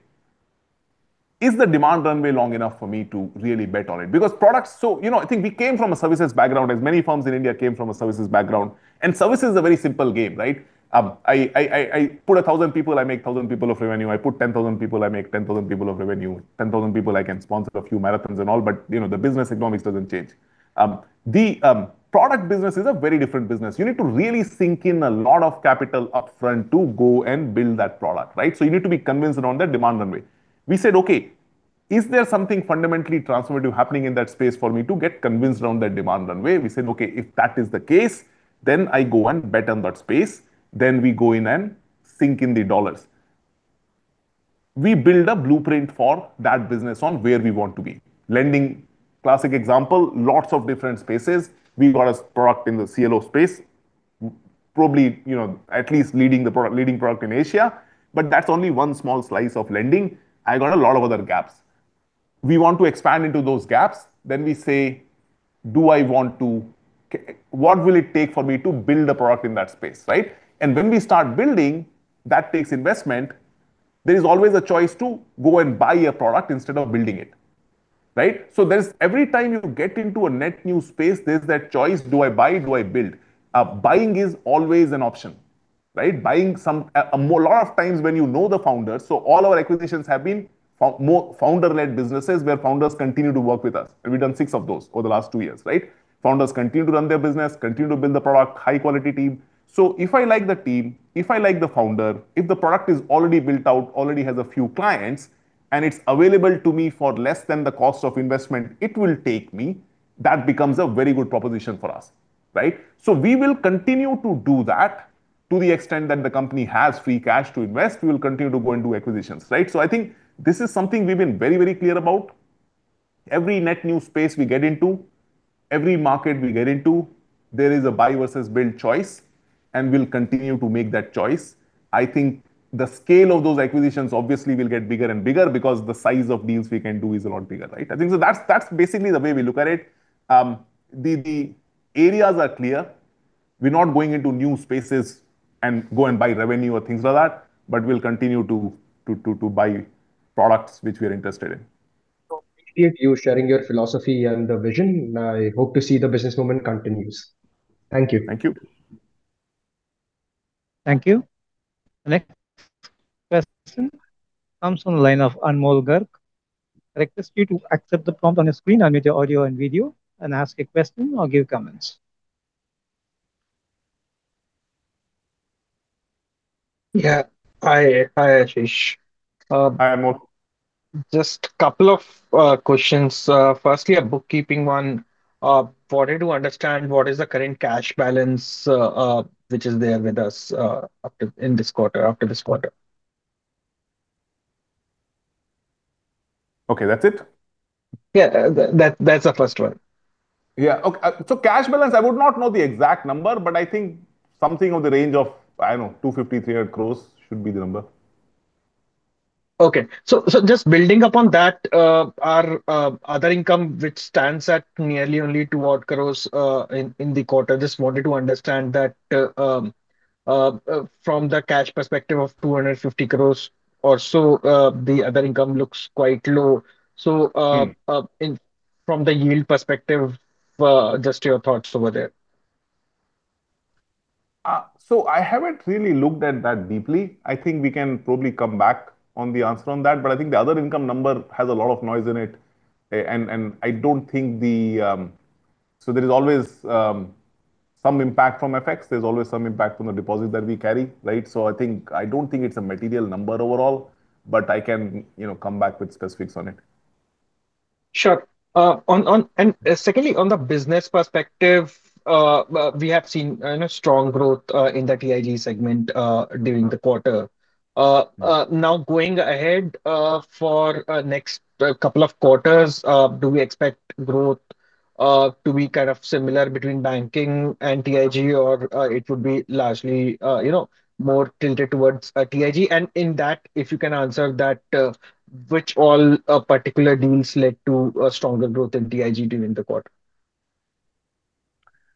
Is the demand runway long enough for me to really bet on it? Because products. So, you know, I think we came from a services background, as many firms in India came from a services background, and services is a very simple game, right? I put 1,000 people, I make 1,000 people of revenue. I put 10,000 people, I make 10,000 people of revenue. 10,000 people, I can sponsor a few marathons and all, but, you know, the business economics doesn't change. The product business is a very different business. You need to really sink in a lot of capital upfront to go and build that product, right? So you need to be convinced around the demand runway. We said, "Okay, is there something fundamentally transformative happening in that space for me to get convinced around that demand runway?" We said, "Okay, if that is the case, then I go and bet on that space, then we go in and sink in the dollars." We build a blueprint for that business on where we want to be. Lending, classic example, lots of different spaces. We got a product in the CLO space, probably, you know, at least leading product in Asia, but that's only one small slice of lending. I got a lot of other gaps. We want to expand into those gaps. Then we say: Do I want to, what will it take for me to build a product in that space, right? And when we start building, that takes investment. There is always a choice to go and buy a product instead of building it, right? So there's every time you get into a net new space, there's that choice: Do I buy? Do I build? Buying is always an option, right? A lot of times when you know the founders, so all our acquisitions have been founder-led businesses, where founders continue to work with us, and we've done six of those over the last two years, right? Founders continue to run their business, continue to build the product, high-quality team. So if I like the team, if I like the founder, if the product is already built out, already has a few clients, and it's available to me for less than the cost of investment it will take me, that becomes a very good proposition for us, right? So we will continue to do that. To the extent that the company has free cash to invest, we will continue to go and do acquisitions, right? So I think this is something we've been very, very clear about. Every net new space we get into, every market we get into, there is a buy versus build choice, and we'll continue to make that choice. I think the scale of those acquisitions obviously will get bigger and bigger because the size of deals we can do is a lot bigger, right? I think so that's basically the way we look at it. The areas are clear. We're not going into new spaces and go and buy revenue or things like that, but we'll continue to buy products which we are interested in. So appreciate you sharing your philosophy and the vision. I hope to see the business moment continues. Thank you. Thank you. Thank you. The next question comes from the line of Anmol Garg. I request you to accept the prompt on your screen, unmute your audio and video, and ask a question or give comments. Yeah. Hi, hi, Ashish, Hi, Anmol. Just a couple of questions. Firstly, a bookkeeping one. Wanted to understand what is the current cash balance, which is there with us, up to—in this quarter, after this quarter? Okay, that's it? Yeah, that, that's the first one. Yeah. Okay, so cash balance, I would not know the exact number, but I think something of the range of, I don't know, 250-300 crores should be the number. Okay. So, so just building upon that, our other income, which stands at nearly only 200 crore, in the quarter, just wanted to understand that, from the cash perspective of 250 crore or so, the other income looks quite low. So, Mm-hmm. From the yield perspective, just your thoughts over there. So I haven't really looked at that deeply. I think we can probably come back on the answer on that, but I think the other income number has a lot of noise in it, and I don't think... So there is always some impact from FX. There's always some impact from the deposits that we carry, right? So I think I don't think it's a material number overall, but I can, you know, come back with specifics on it. Sure. And secondly, on the business perspective, we have seen, you know, strong growth in the TIG segment during the quarter. Now, going ahead, for next couple of quarters, do we expect growth to be kind of similar between banking and TIG, or it would be largely, you know, more tilted towards TIG? And in that, if you can answer that, which all particular deals led to a stronger growth in TIG during the quarter?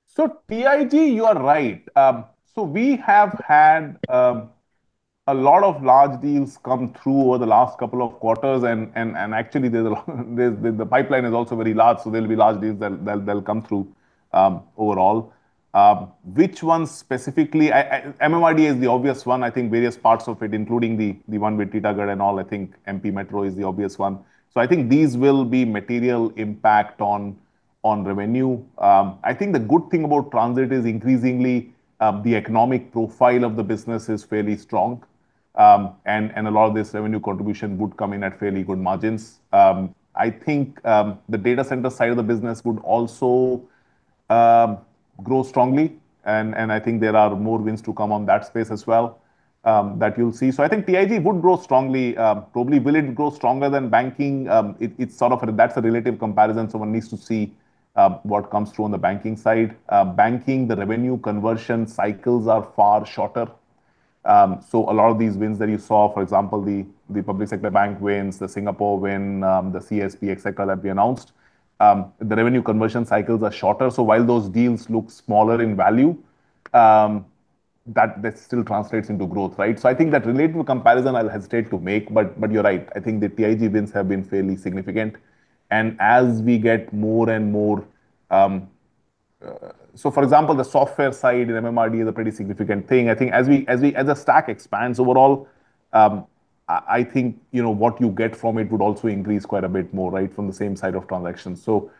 So TIG, you are right. So we have had a lot of large deals come through over the last couple of quarters, and actually, there's a lot there - the pipeline is also very large, so there'll be large deals that'll come through overall. Which ones specifically? MMRDA is the obvious one. I think various parts of it, including the one with Titagarh and all, I think MP Metro is the obvious one. So I think these will be material impact on revenue. I think the good thing about transit is increasingly the economic profile of the business is fairly strong... and a lot of this revenue contribution would come in at fairly good margins. I think the data center side of the business would also grow strongly, and I think there are more wins to come on that space as well, that you'll see. So I think TIG would grow strongly, probably. Will it grow stronger than banking? It's sort of-- that's a relative comparison, so one needs to see what comes through on the banking side. Banking, the revenue conversion cycles are far shorter. So a lot of these wins that you saw, for example, the public sector bank wins, the Singapore win, the CSB, et cetera, that we announced, the revenue conversion cycles are shorter. So while those deals look smaller in value, that still translates into growth, right? So I think that relative comparison I'll hesitate to make, but, but you're right, I think the TIG wins have been fairly significant. And as we get more and more, so for example, the software side in MMRDA is a pretty significant thing. I think as the stack expands overall, I think, you know, what you get from it would also increase quite a bit more, right? From the same side of transactions. So,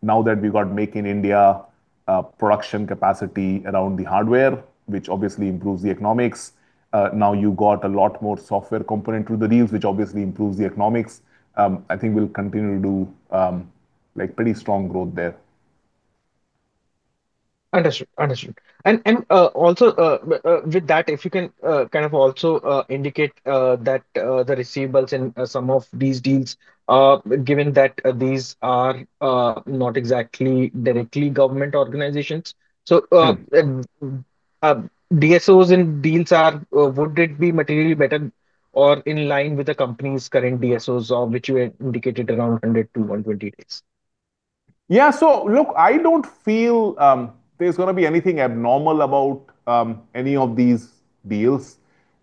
now that we've got Make in India, production capacity around the hardware, which obviously improves the economics, now you've got a lot more software component to the deals, which obviously improves the economics. I think we'll continue to do, like, pretty strong growth there. Understood. Understood. And also, with that, if you can kind of also indicate that the receivables in some of these deals, given that these are not exactly directly government organizations. So- Mm-hmm. DSOs in deals are... Would it be materially better or in line with the company's current DSOs, or which you had indicated around 100-120 days? Yeah. So look, I don't feel there's gonna be anything abnormal about any of these deals.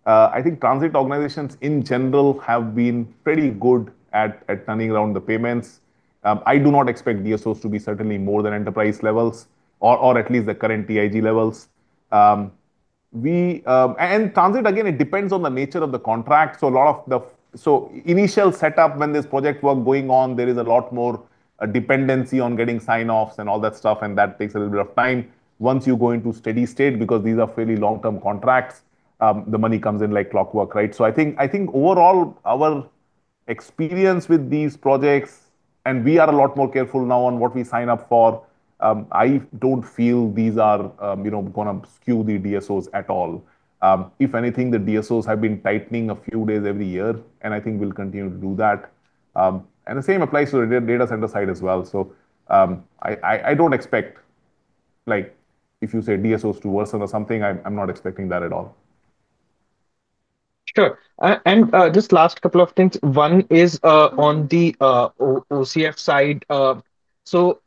I think transit organizations in general have been pretty good at turning around the payments. I do not expect DSOs to be certainly more than enterprise levels or at least the current TIG levels. And transit, again, it depends on the nature of the contract, so initial setup when this project was going on, there is a lot more dependency on getting sign-offs and all that stuff, and that takes a little bit of time. Once you go into steady state, because these are fairly long-term contracts, the money comes in like clockwork, right? So I think overall, our experience with these projects, and we are a lot more careful now on what we sign up for. I don't feel these are, you know, gonna skew the DSOs at all. If anything, the DSOs have been tightening a few days every year, and I think we'll continue to do that. And the same applies to the data center side as well. So I don't expect, like, if you say DSOs to worsen or something, I'm not expecting that at all. Sure. And just last couple of things. One is on the OCF side. So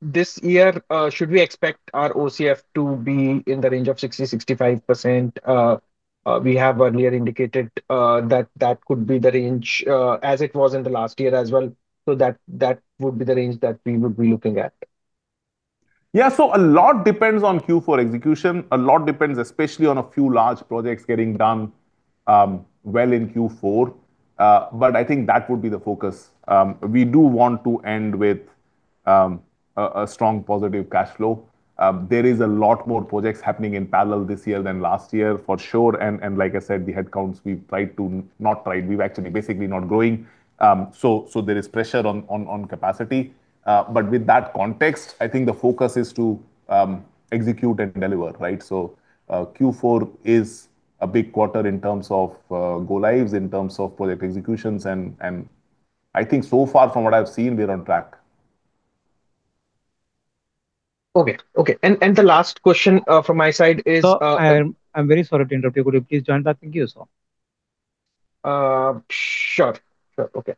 this year, should we expect our OCF to be in the range of 60%-65%? We have earlier indicated that that could be the range as it was in the last year as well, so that would be the range that we would be looking at. Yeah. So a lot depends on Q4 execution. A lot depends, especially on a few large projects getting done, well in Q4. But I think that would be the focus. We do want to end with, a, a strong positive cash flow. There is a lot more projects happening in parallel this year than last year, for sure, and, and like I said, the headcounts, we've tried to... Not tried, we've actually basically not growing. So, so there is pressure on, on, on capacity. But with that context, I think the focus is to, execute and deliver, right? So, Q4 is a big quarter in terms of, go-lives, in terms of project executions, and, and I think so far from what I've seen, we're on track. Okay. Okay, and the last question from my side is- Sir, I'm very sorry to interrupt you. Could you please join back? Thank you, sir. Sure, sure. Okay.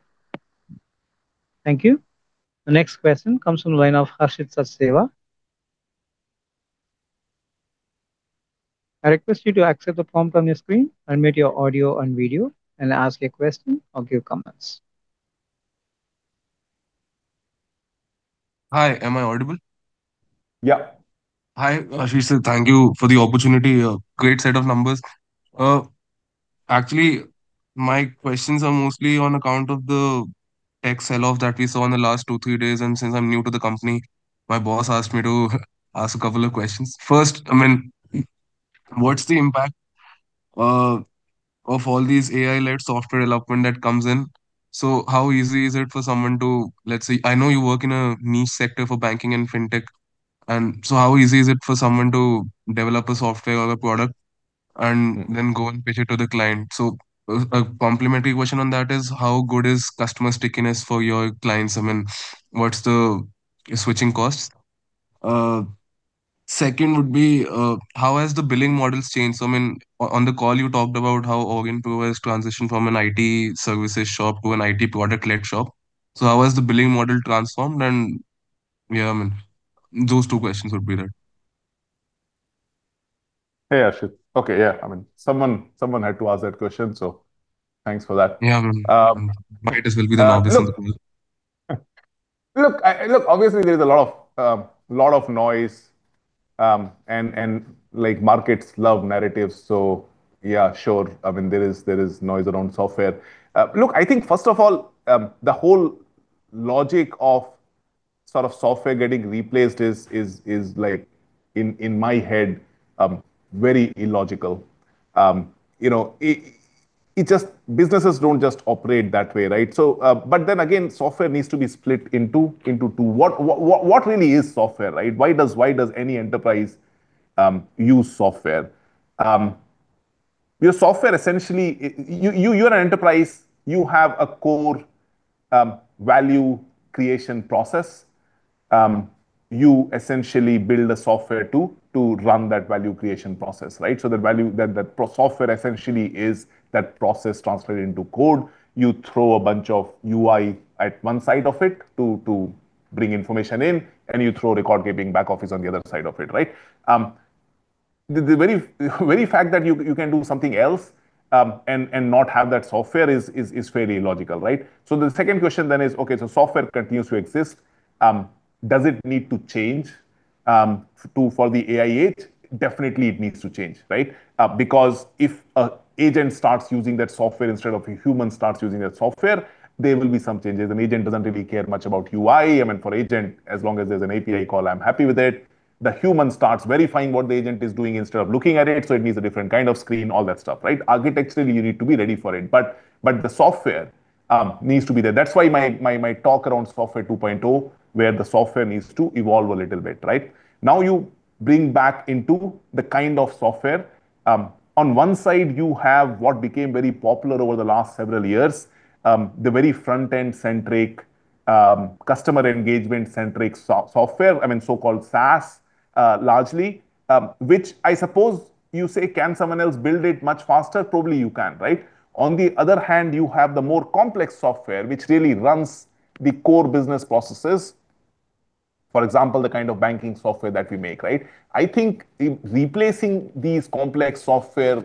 Thank you. The next question comes from the line of Harshit Sachdeva. I request you to accept the form from your screen, unmute your audio and video, and ask a question or give comments. Hi, am I audible? Yeah. Hi, Ashish. Thank you for the opportunity. A great set of numbers. Actually, my questions are mostly on account of the tech sell-off that we saw in the last two, three days, and since I'm new to the company, my boss asked me to ask a couple of questions. First, I mean, what's the impact of all these AI-led software development that comes in? So how easy is it for someone to... Let's say, I know you work in a niche sector for banking and fintech, and so how easy is it for someone to develop a software or a product and then go and pitch it to the client? So, a complimentary question on that is: How good is customer stickiness for your clients? I mean, what's the switching costs? Second would be: How has the billing model changed? I mean, on the call, you talked about how Aurionpro has transitioned from an IT services shop to an IT product-led shop. So how has the billing model transformed? And yeah, I mean, those two questions would be there. Hey, Ashish. Okay, yeah, I mean, someone, someone had to ask that question, so thanks for that. Yeah. Um- Might as well be the obvious in the call. Look, look, obviously, there's a lot of, lot of noise, and, like, markets love narratives, so yeah, sure. I mean, there is noise around software. Look, I think first of all, the whole logic of sort of software getting replaced is, like, in my head, very illogical. You know, it just businesses don't just operate that way, right? So, but then again, software needs to be split into two. What really is software, right? Why does any enterprise use software? Your software, essentially, you're an enterprise, you have a core value creation process. You essentially build software to run that value creation process, right? So the value that software essentially is that process translated into code. You throw a bunch of UI at one side of it to bring information in, and you throw record-keeping back office on the other side of it, right? The very fact that you can do something else and not have that software is very illogical, right? So the second question then is, okay, so software continues to exist, does it need to change for the AI age? Definitely it needs to change, right? Because if a agent starts using that software instead of a human starts using that software, there will be some changes. An agent doesn't really care much about UI. I mean, for agent, as long as there's an API call, I'm happy with it. The human starts verifying what the agent is doing instead of looking at it, so it needs a different kind of screen, all that stuff, right? Architecturally, you need to be ready for it, but the software needs to be there. That's why my talk around Software 2.0, where the software needs to evolve a little bit, right? Now, you bring back into the kind of software, on one side, you have what became very popular over the last several years, the very front-end-centric, customer engagement-centric software, I mean, so-called SaaS, largely, which I suppose you say, can someone else build it much faster? Probably you can, right? On the other hand, you have the more complex software, which really runs the core business processes. For example, the kind of banking software that we make, right? I think replacing these complex software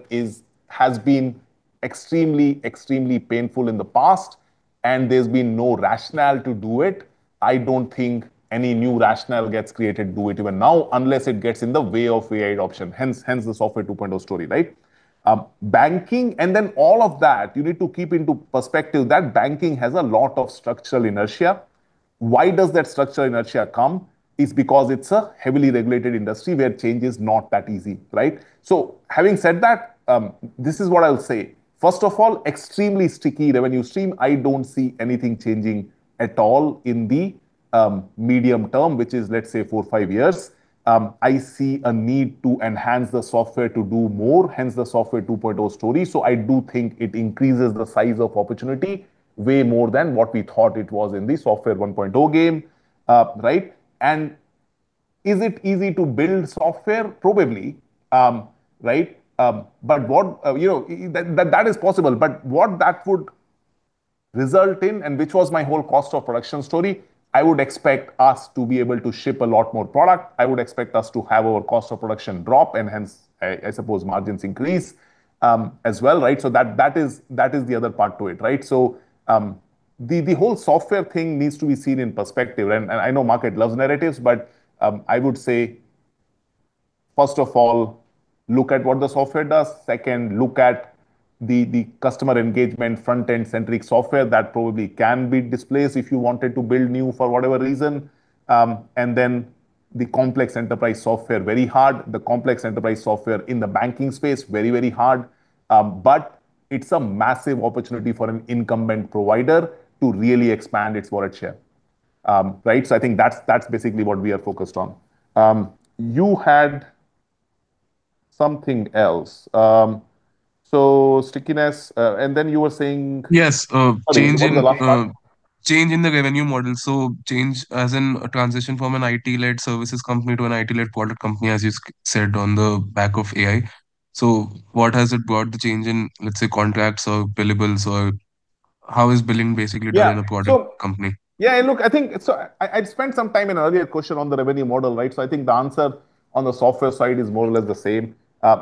has been extremely, extremely painful in the past, and there's been no rationale to do it. I don't think any new rationale gets created to do it even now, unless it gets in the way of AI option, hence the Software 2.0 story, right? Banking, and then all of that, you need to keep into perspective that banking has a lot of structural inertia. Why does that structural inertia come? It's because it's a heavily regulated industry where change is not that easy, right? So having said that, this is what I'll say. First of all, extremely sticky revenue stream, I don't see anything changing at all in the medium term, which is, let's say, 4-5 years. I see a need to enhance the software to do more, hence the Software 2.0 story. So I do think it increases the size of opportunity way more than what we thought it was in the Software 1.0 game, right? And is it easy to build software? Probably, right. But what... you know, that, that is possible, but what that would result in, and which was my whole cost of production story, I would expect us to be able to ship a lot more product. I would expect us to have our cost of production drop, and hence, I suppose margins increase, as well, right? So that, that is, that is the other part to it, right? So, the, the whole software thing needs to be seen in perspective, and, and I know market loves narratives, but, I would say, first of all, look at what the software does. Second, look at the customer engagement, front-end-centric software that probably can be displaced if you wanted to build new for whatever reason. And then the complex enterprise software, very hard. The complex enterprise software in the banking space, very, very hard. But it's a massive opportunity for an incumbent provider to really expand its market share. Right? So I think that's basically what we are focused on. You had something else. So stickiness, and then you were saying- Yes, change in the- What was the last part? Change in the revenue model. So change as in a transition from an IT-led services company to an IT-led product company, as you said, on the back of AI. So what has it brought the change in, let's say, contracts or billables? Or how is billing basically done in a product company? Yeah, look, I think, so I spent some time in an earlier question on the revenue model, right? So I think the answer on the software side is more or less the same.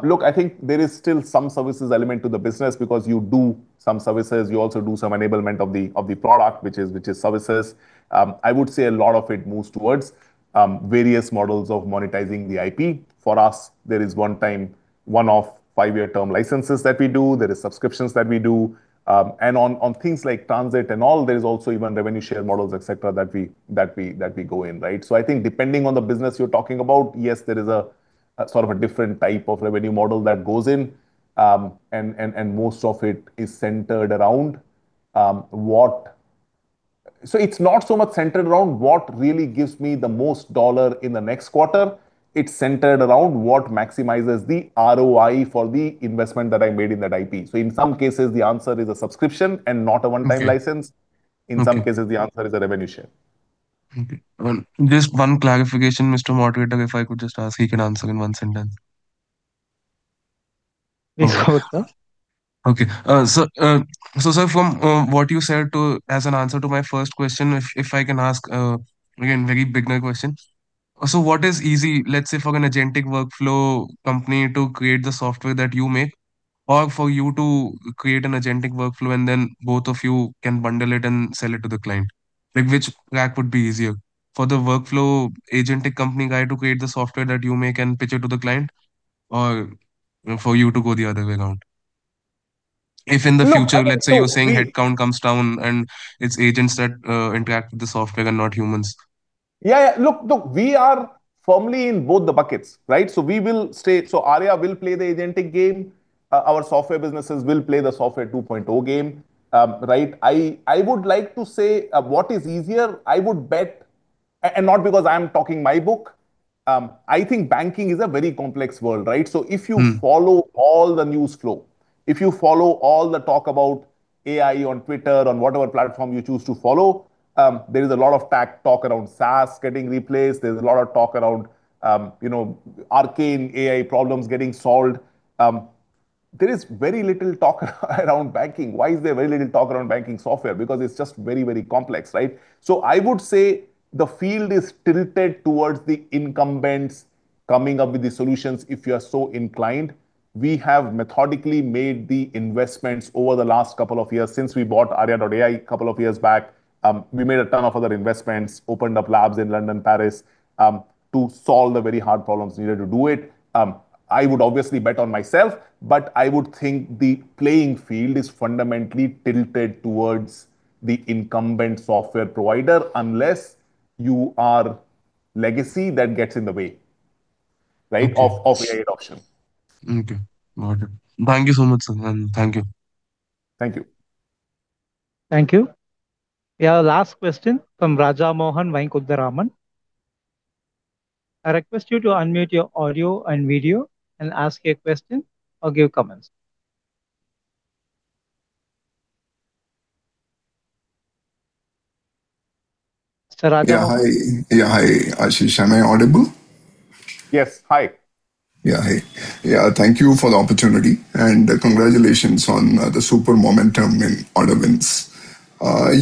Look, I think there is still some services element to the business because you do some services. You also do some enablement of the product, which is services. I would say a lot of it moves towards various models of monetizing the IP. For us, there is one time, one-off, five-year term licenses that we do, there is subscriptions that we do, and on things like transit and all, there is also even revenue share models, et cetera, that we go in, right? So I think depending on the business you're talking about, yes, there is a sort of a different type of revenue model that goes in, and most of it is centered around what. So it's not so much centered around what really gives me the most dollar in the next quarter. It's centered around what maximizes the ROI for the investment that I made in that IP. So in some cases, the answer is a subscription and not a one-time license. Okay. In some cases, the answer is a revenue share. Okay. Well, just one clarification, Mr. Moderator, if I could just ask, he can answer in one sentence. Yes, sure. Okay, so, sir, from what you said as an answer to my first question, if I can ask again, very beginner question. So what is easy, let's say, for an agentic workflow company to create the software that you make, or for you to create an agentic workflow, and then both of you can bundle it and sell it to the client? Like, which track would be easier? For the workflow agentic company guy to create the software that you make and pitch it to the client, or for you to go the other way around? If in the future, let's say you're saying headcount comes down and it's agents that interact with the software and not humans. Yeah, yeah. Look, look, we are firmly in both the buckets, right? So we will stay. So Arya will play the agentic game, our software businesses will play the Software 2.0 game. Right. I would like to say what is easier, I would bet, and not because I'm talking my book. I think banking is a very complex world, right? Mm. So if you follow all the news flow, if you follow all the talk about AI on Twitter, on whatever platform you choose to follow, there is a lot of tech talk around SaaS getting replaced. There's a lot of talk around, you know, arcane AI problems getting solved. There is very little talk around banking. Why is there very little talk around banking software? Because it's just very, very complex, right? So I would say the field is tilted towards the incumbents coming up with the solutions, if you are so inclined. We have methodically made the investments over the last couple of years since we bought Arya.ai a couple of years back. We made a ton of other investments, opened up labs in London, Paris, to solve the very hard problems needed to do it. I would obviously bet on myself, but I would think the playing field is fundamentally tilted towards the incumbent software provider, unless you are legacy, that gets in the way, right, of AI adoption. Okay. Got it. Thank you so much, sir, and thank you. Thank you. Thank you. We have a last question from Rajamohan Venkataraman. I request you to unmute your audio and video and ask a question or give comments. Sir Raja- Yeah, hi. Yeah, hi, Ashish. Am I audible? Yes. Hi. Yeah, hi. Yeah, thank you for the opportunity, and congratulations on the super momentum in order wins.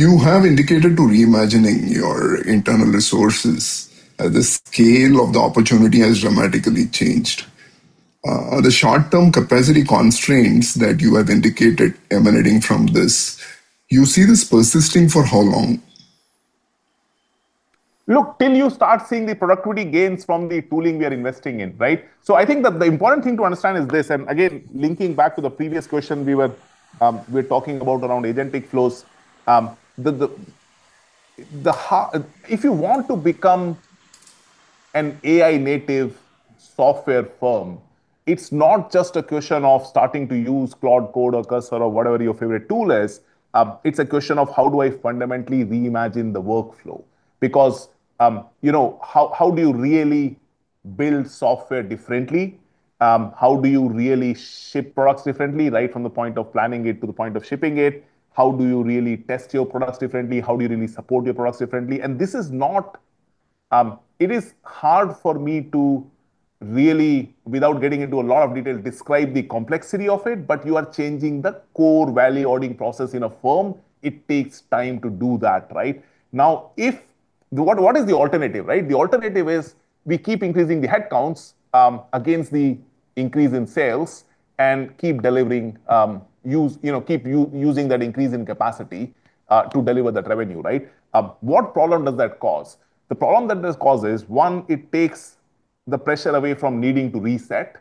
You have indicated to reimagining your internal resources. The scale of the opportunity has dramatically changed. Are the short-term capacity constraints that you have indicated emanating from this? You see this persisting for how long? Look, till you start seeing the productivity gains from the tooling we are investing in, right? So I think that the important thing to understand is this, and again, linking back to the previous question, we were talking about around agentic flows. If you want to become an AI-native software firm, it's not just a question of starting to use Cloud Code or Cursor or whatever your favorite tool is. It's a question of how do I fundamentally reimagine the workflow? Because, you know, how do you really build software differently? How do you really ship products differently, right from the point of planning it to the point of shipping it? How do you really test your products differently? How do you really support your products differently? And this is not... It is hard for me to really, without getting into a lot of detail, describe the complexity of it, but you are changing the core value-adding process in a firm. It takes time to do that, right? Now, what is the alternative, right? The alternative is we keep increasing the headcounts against the increase in sales and keep delivering, you know, keep using that increase in capacity to deliver that revenue, right? What problem does that cause? The problem that this causes, one, it takes the pressure away from needing to reset.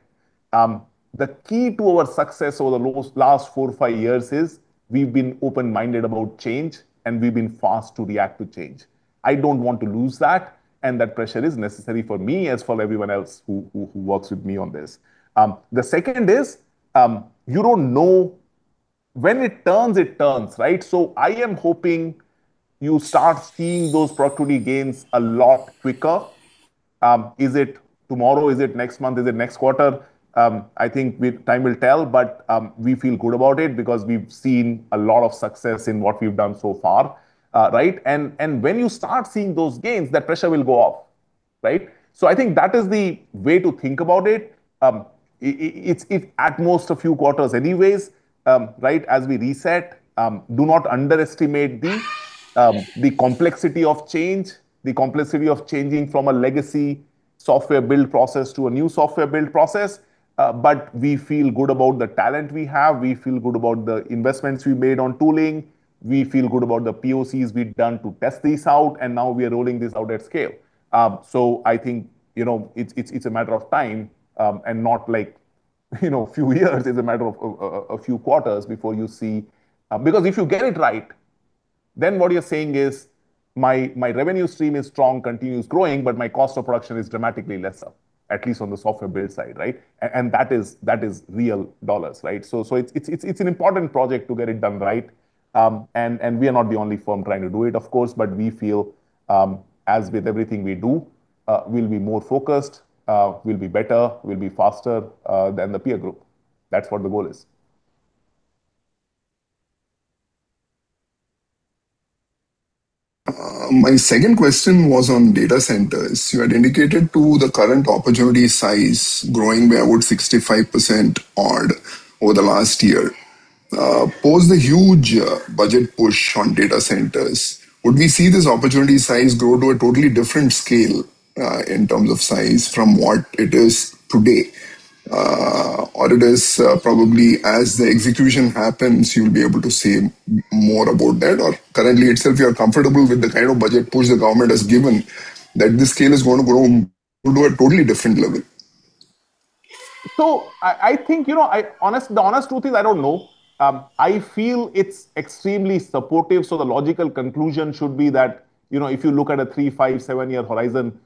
The key to our success over the last four to five years is we've been open-minded about change, and we've been fast to react to change. I don't want to lose that, and that pressure is necessary for me, as for everyone else who works with me on this. The second is, you don't know when it turns, it turns, right? So I am hoping you start seeing those productivity gains a lot quicker. Is it tomorrow? Is it next month? Is it next quarter? I think time will tell, but we feel good about it because we've seen a lot of success in what we've done so far. Right. And when you start seeing those gains, that pressure will go off, right? So I think that is the way to think about it. It, it's at most a few quarters anyways, right, as we reset. Do not underestimate the, the complexity of change, the complexity of changing from a legacy software build process to a new software build process. But we feel good about the talent we have. We feel good about the investments we made on tooling. We feel good about the POCs we've done to test this out, and now we are rolling this out at scale. So I think, you know, it's, it's, it's a matter of time, and not like, you know, a few years. It's a matter of a few quarters before you see... Because if you get it right, then what you're saying is, "My, my revenue stream is strong, continues growing, but my cost of production is dramatically lesser, at least on the software build side," right? And, and that is, that is real dollars, right? So it's an important project to get it done right. We are not the only firm trying to do it, of course, but we feel, as with everything we do, we'll be more focused, we'll be better, we'll be faster than the peer group. That's what the goal is. My second question was on data centers. You had indicated to the current opportunity size growing by about 65% odd over the last year. Post the huge, budget push on data centers, would we see this opportunity size grow to a totally different scale, in terms of size from what it is today? Or it is, probably as the execution happens, you'll be able to say more about that, or currently itself, you are comfortable with the kind of budget push the government has given, that this scale is going to grow to a totally different level? So I think, you know, the honest truth is, I don't know. I feel it's extremely supportive, so the logical conclusion should be that, you know, if you look at a 3-, 5-, 7-year horizon,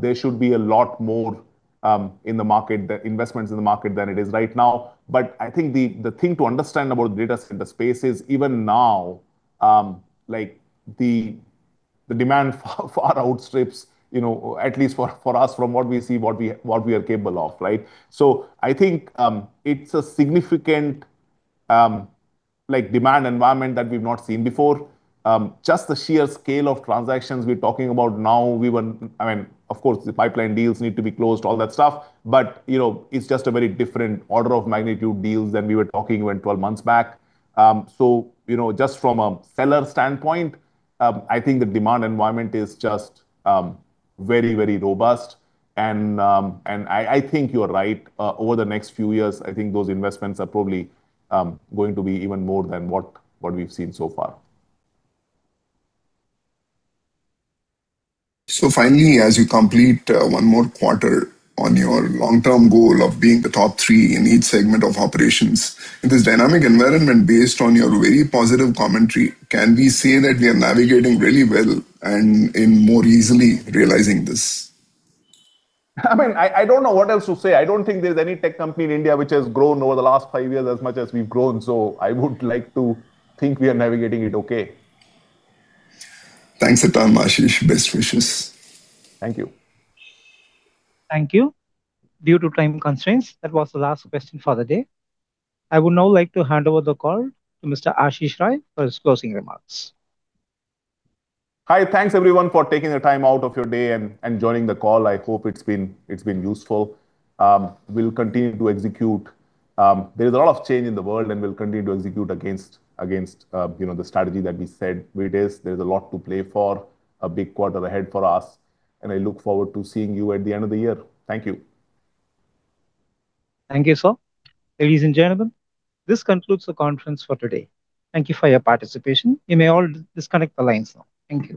there should be a lot more investments in the market than it is right now. But I think the thing to understand about data center space is even now, like, the demand far, far outstrips, you know, at least for us, from what we see, what we are capable of, right? So I think it's a significant, like, demand environment that we've not seen before. Just the sheer scale of transactions we're talking about now, we want—I mean, of course, the pipeline deals need to be closed, all that stuff, but, you know, it's just a very different order of magnitude deals than we were talking when 12 months back. So, you know, just from a seller standpoint, I think the demand environment is just, very, very robust. And, and I, I think you're right. Over the next few years, I think those investments are probably, going to be even more than what, what we've seen so far. Finally, as you complete one more quarter on your long-term goal of being the top three in each segment of operations, in this dynamic environment, based on your very positive commentary, can we say that we are navigating really well and in more easily realizing this? I mean, I don't know what else to say. I don't think there's any tech company in India which has grown over the last five years as much as we've grown, so I would like to think we are navigating it okay. Thanks a ton, Ashish. Best wishes. Thank you. Thank you. Due to time constraints, that was the last question for the day. I would now like to hand over the call to Mr. Ashish Rai for his closing remarks. Hi. Thanks, everyone, for taking the time out of your day and joining the call. I hope it's been, it's been useful. We'll continue to execute. There is a lot of change in the world, and we'll continue to execute against, you know, the strategy that we said we'd is. There's a lot to play for, a big quarter ahead for us, and I look forward to seeing you at the end of the year. Thank you. Thank you, sir. Ladies and gentlemen, this concludes the conference for today. Thank you for your participation. You may all disconnect the lines now. Thank you.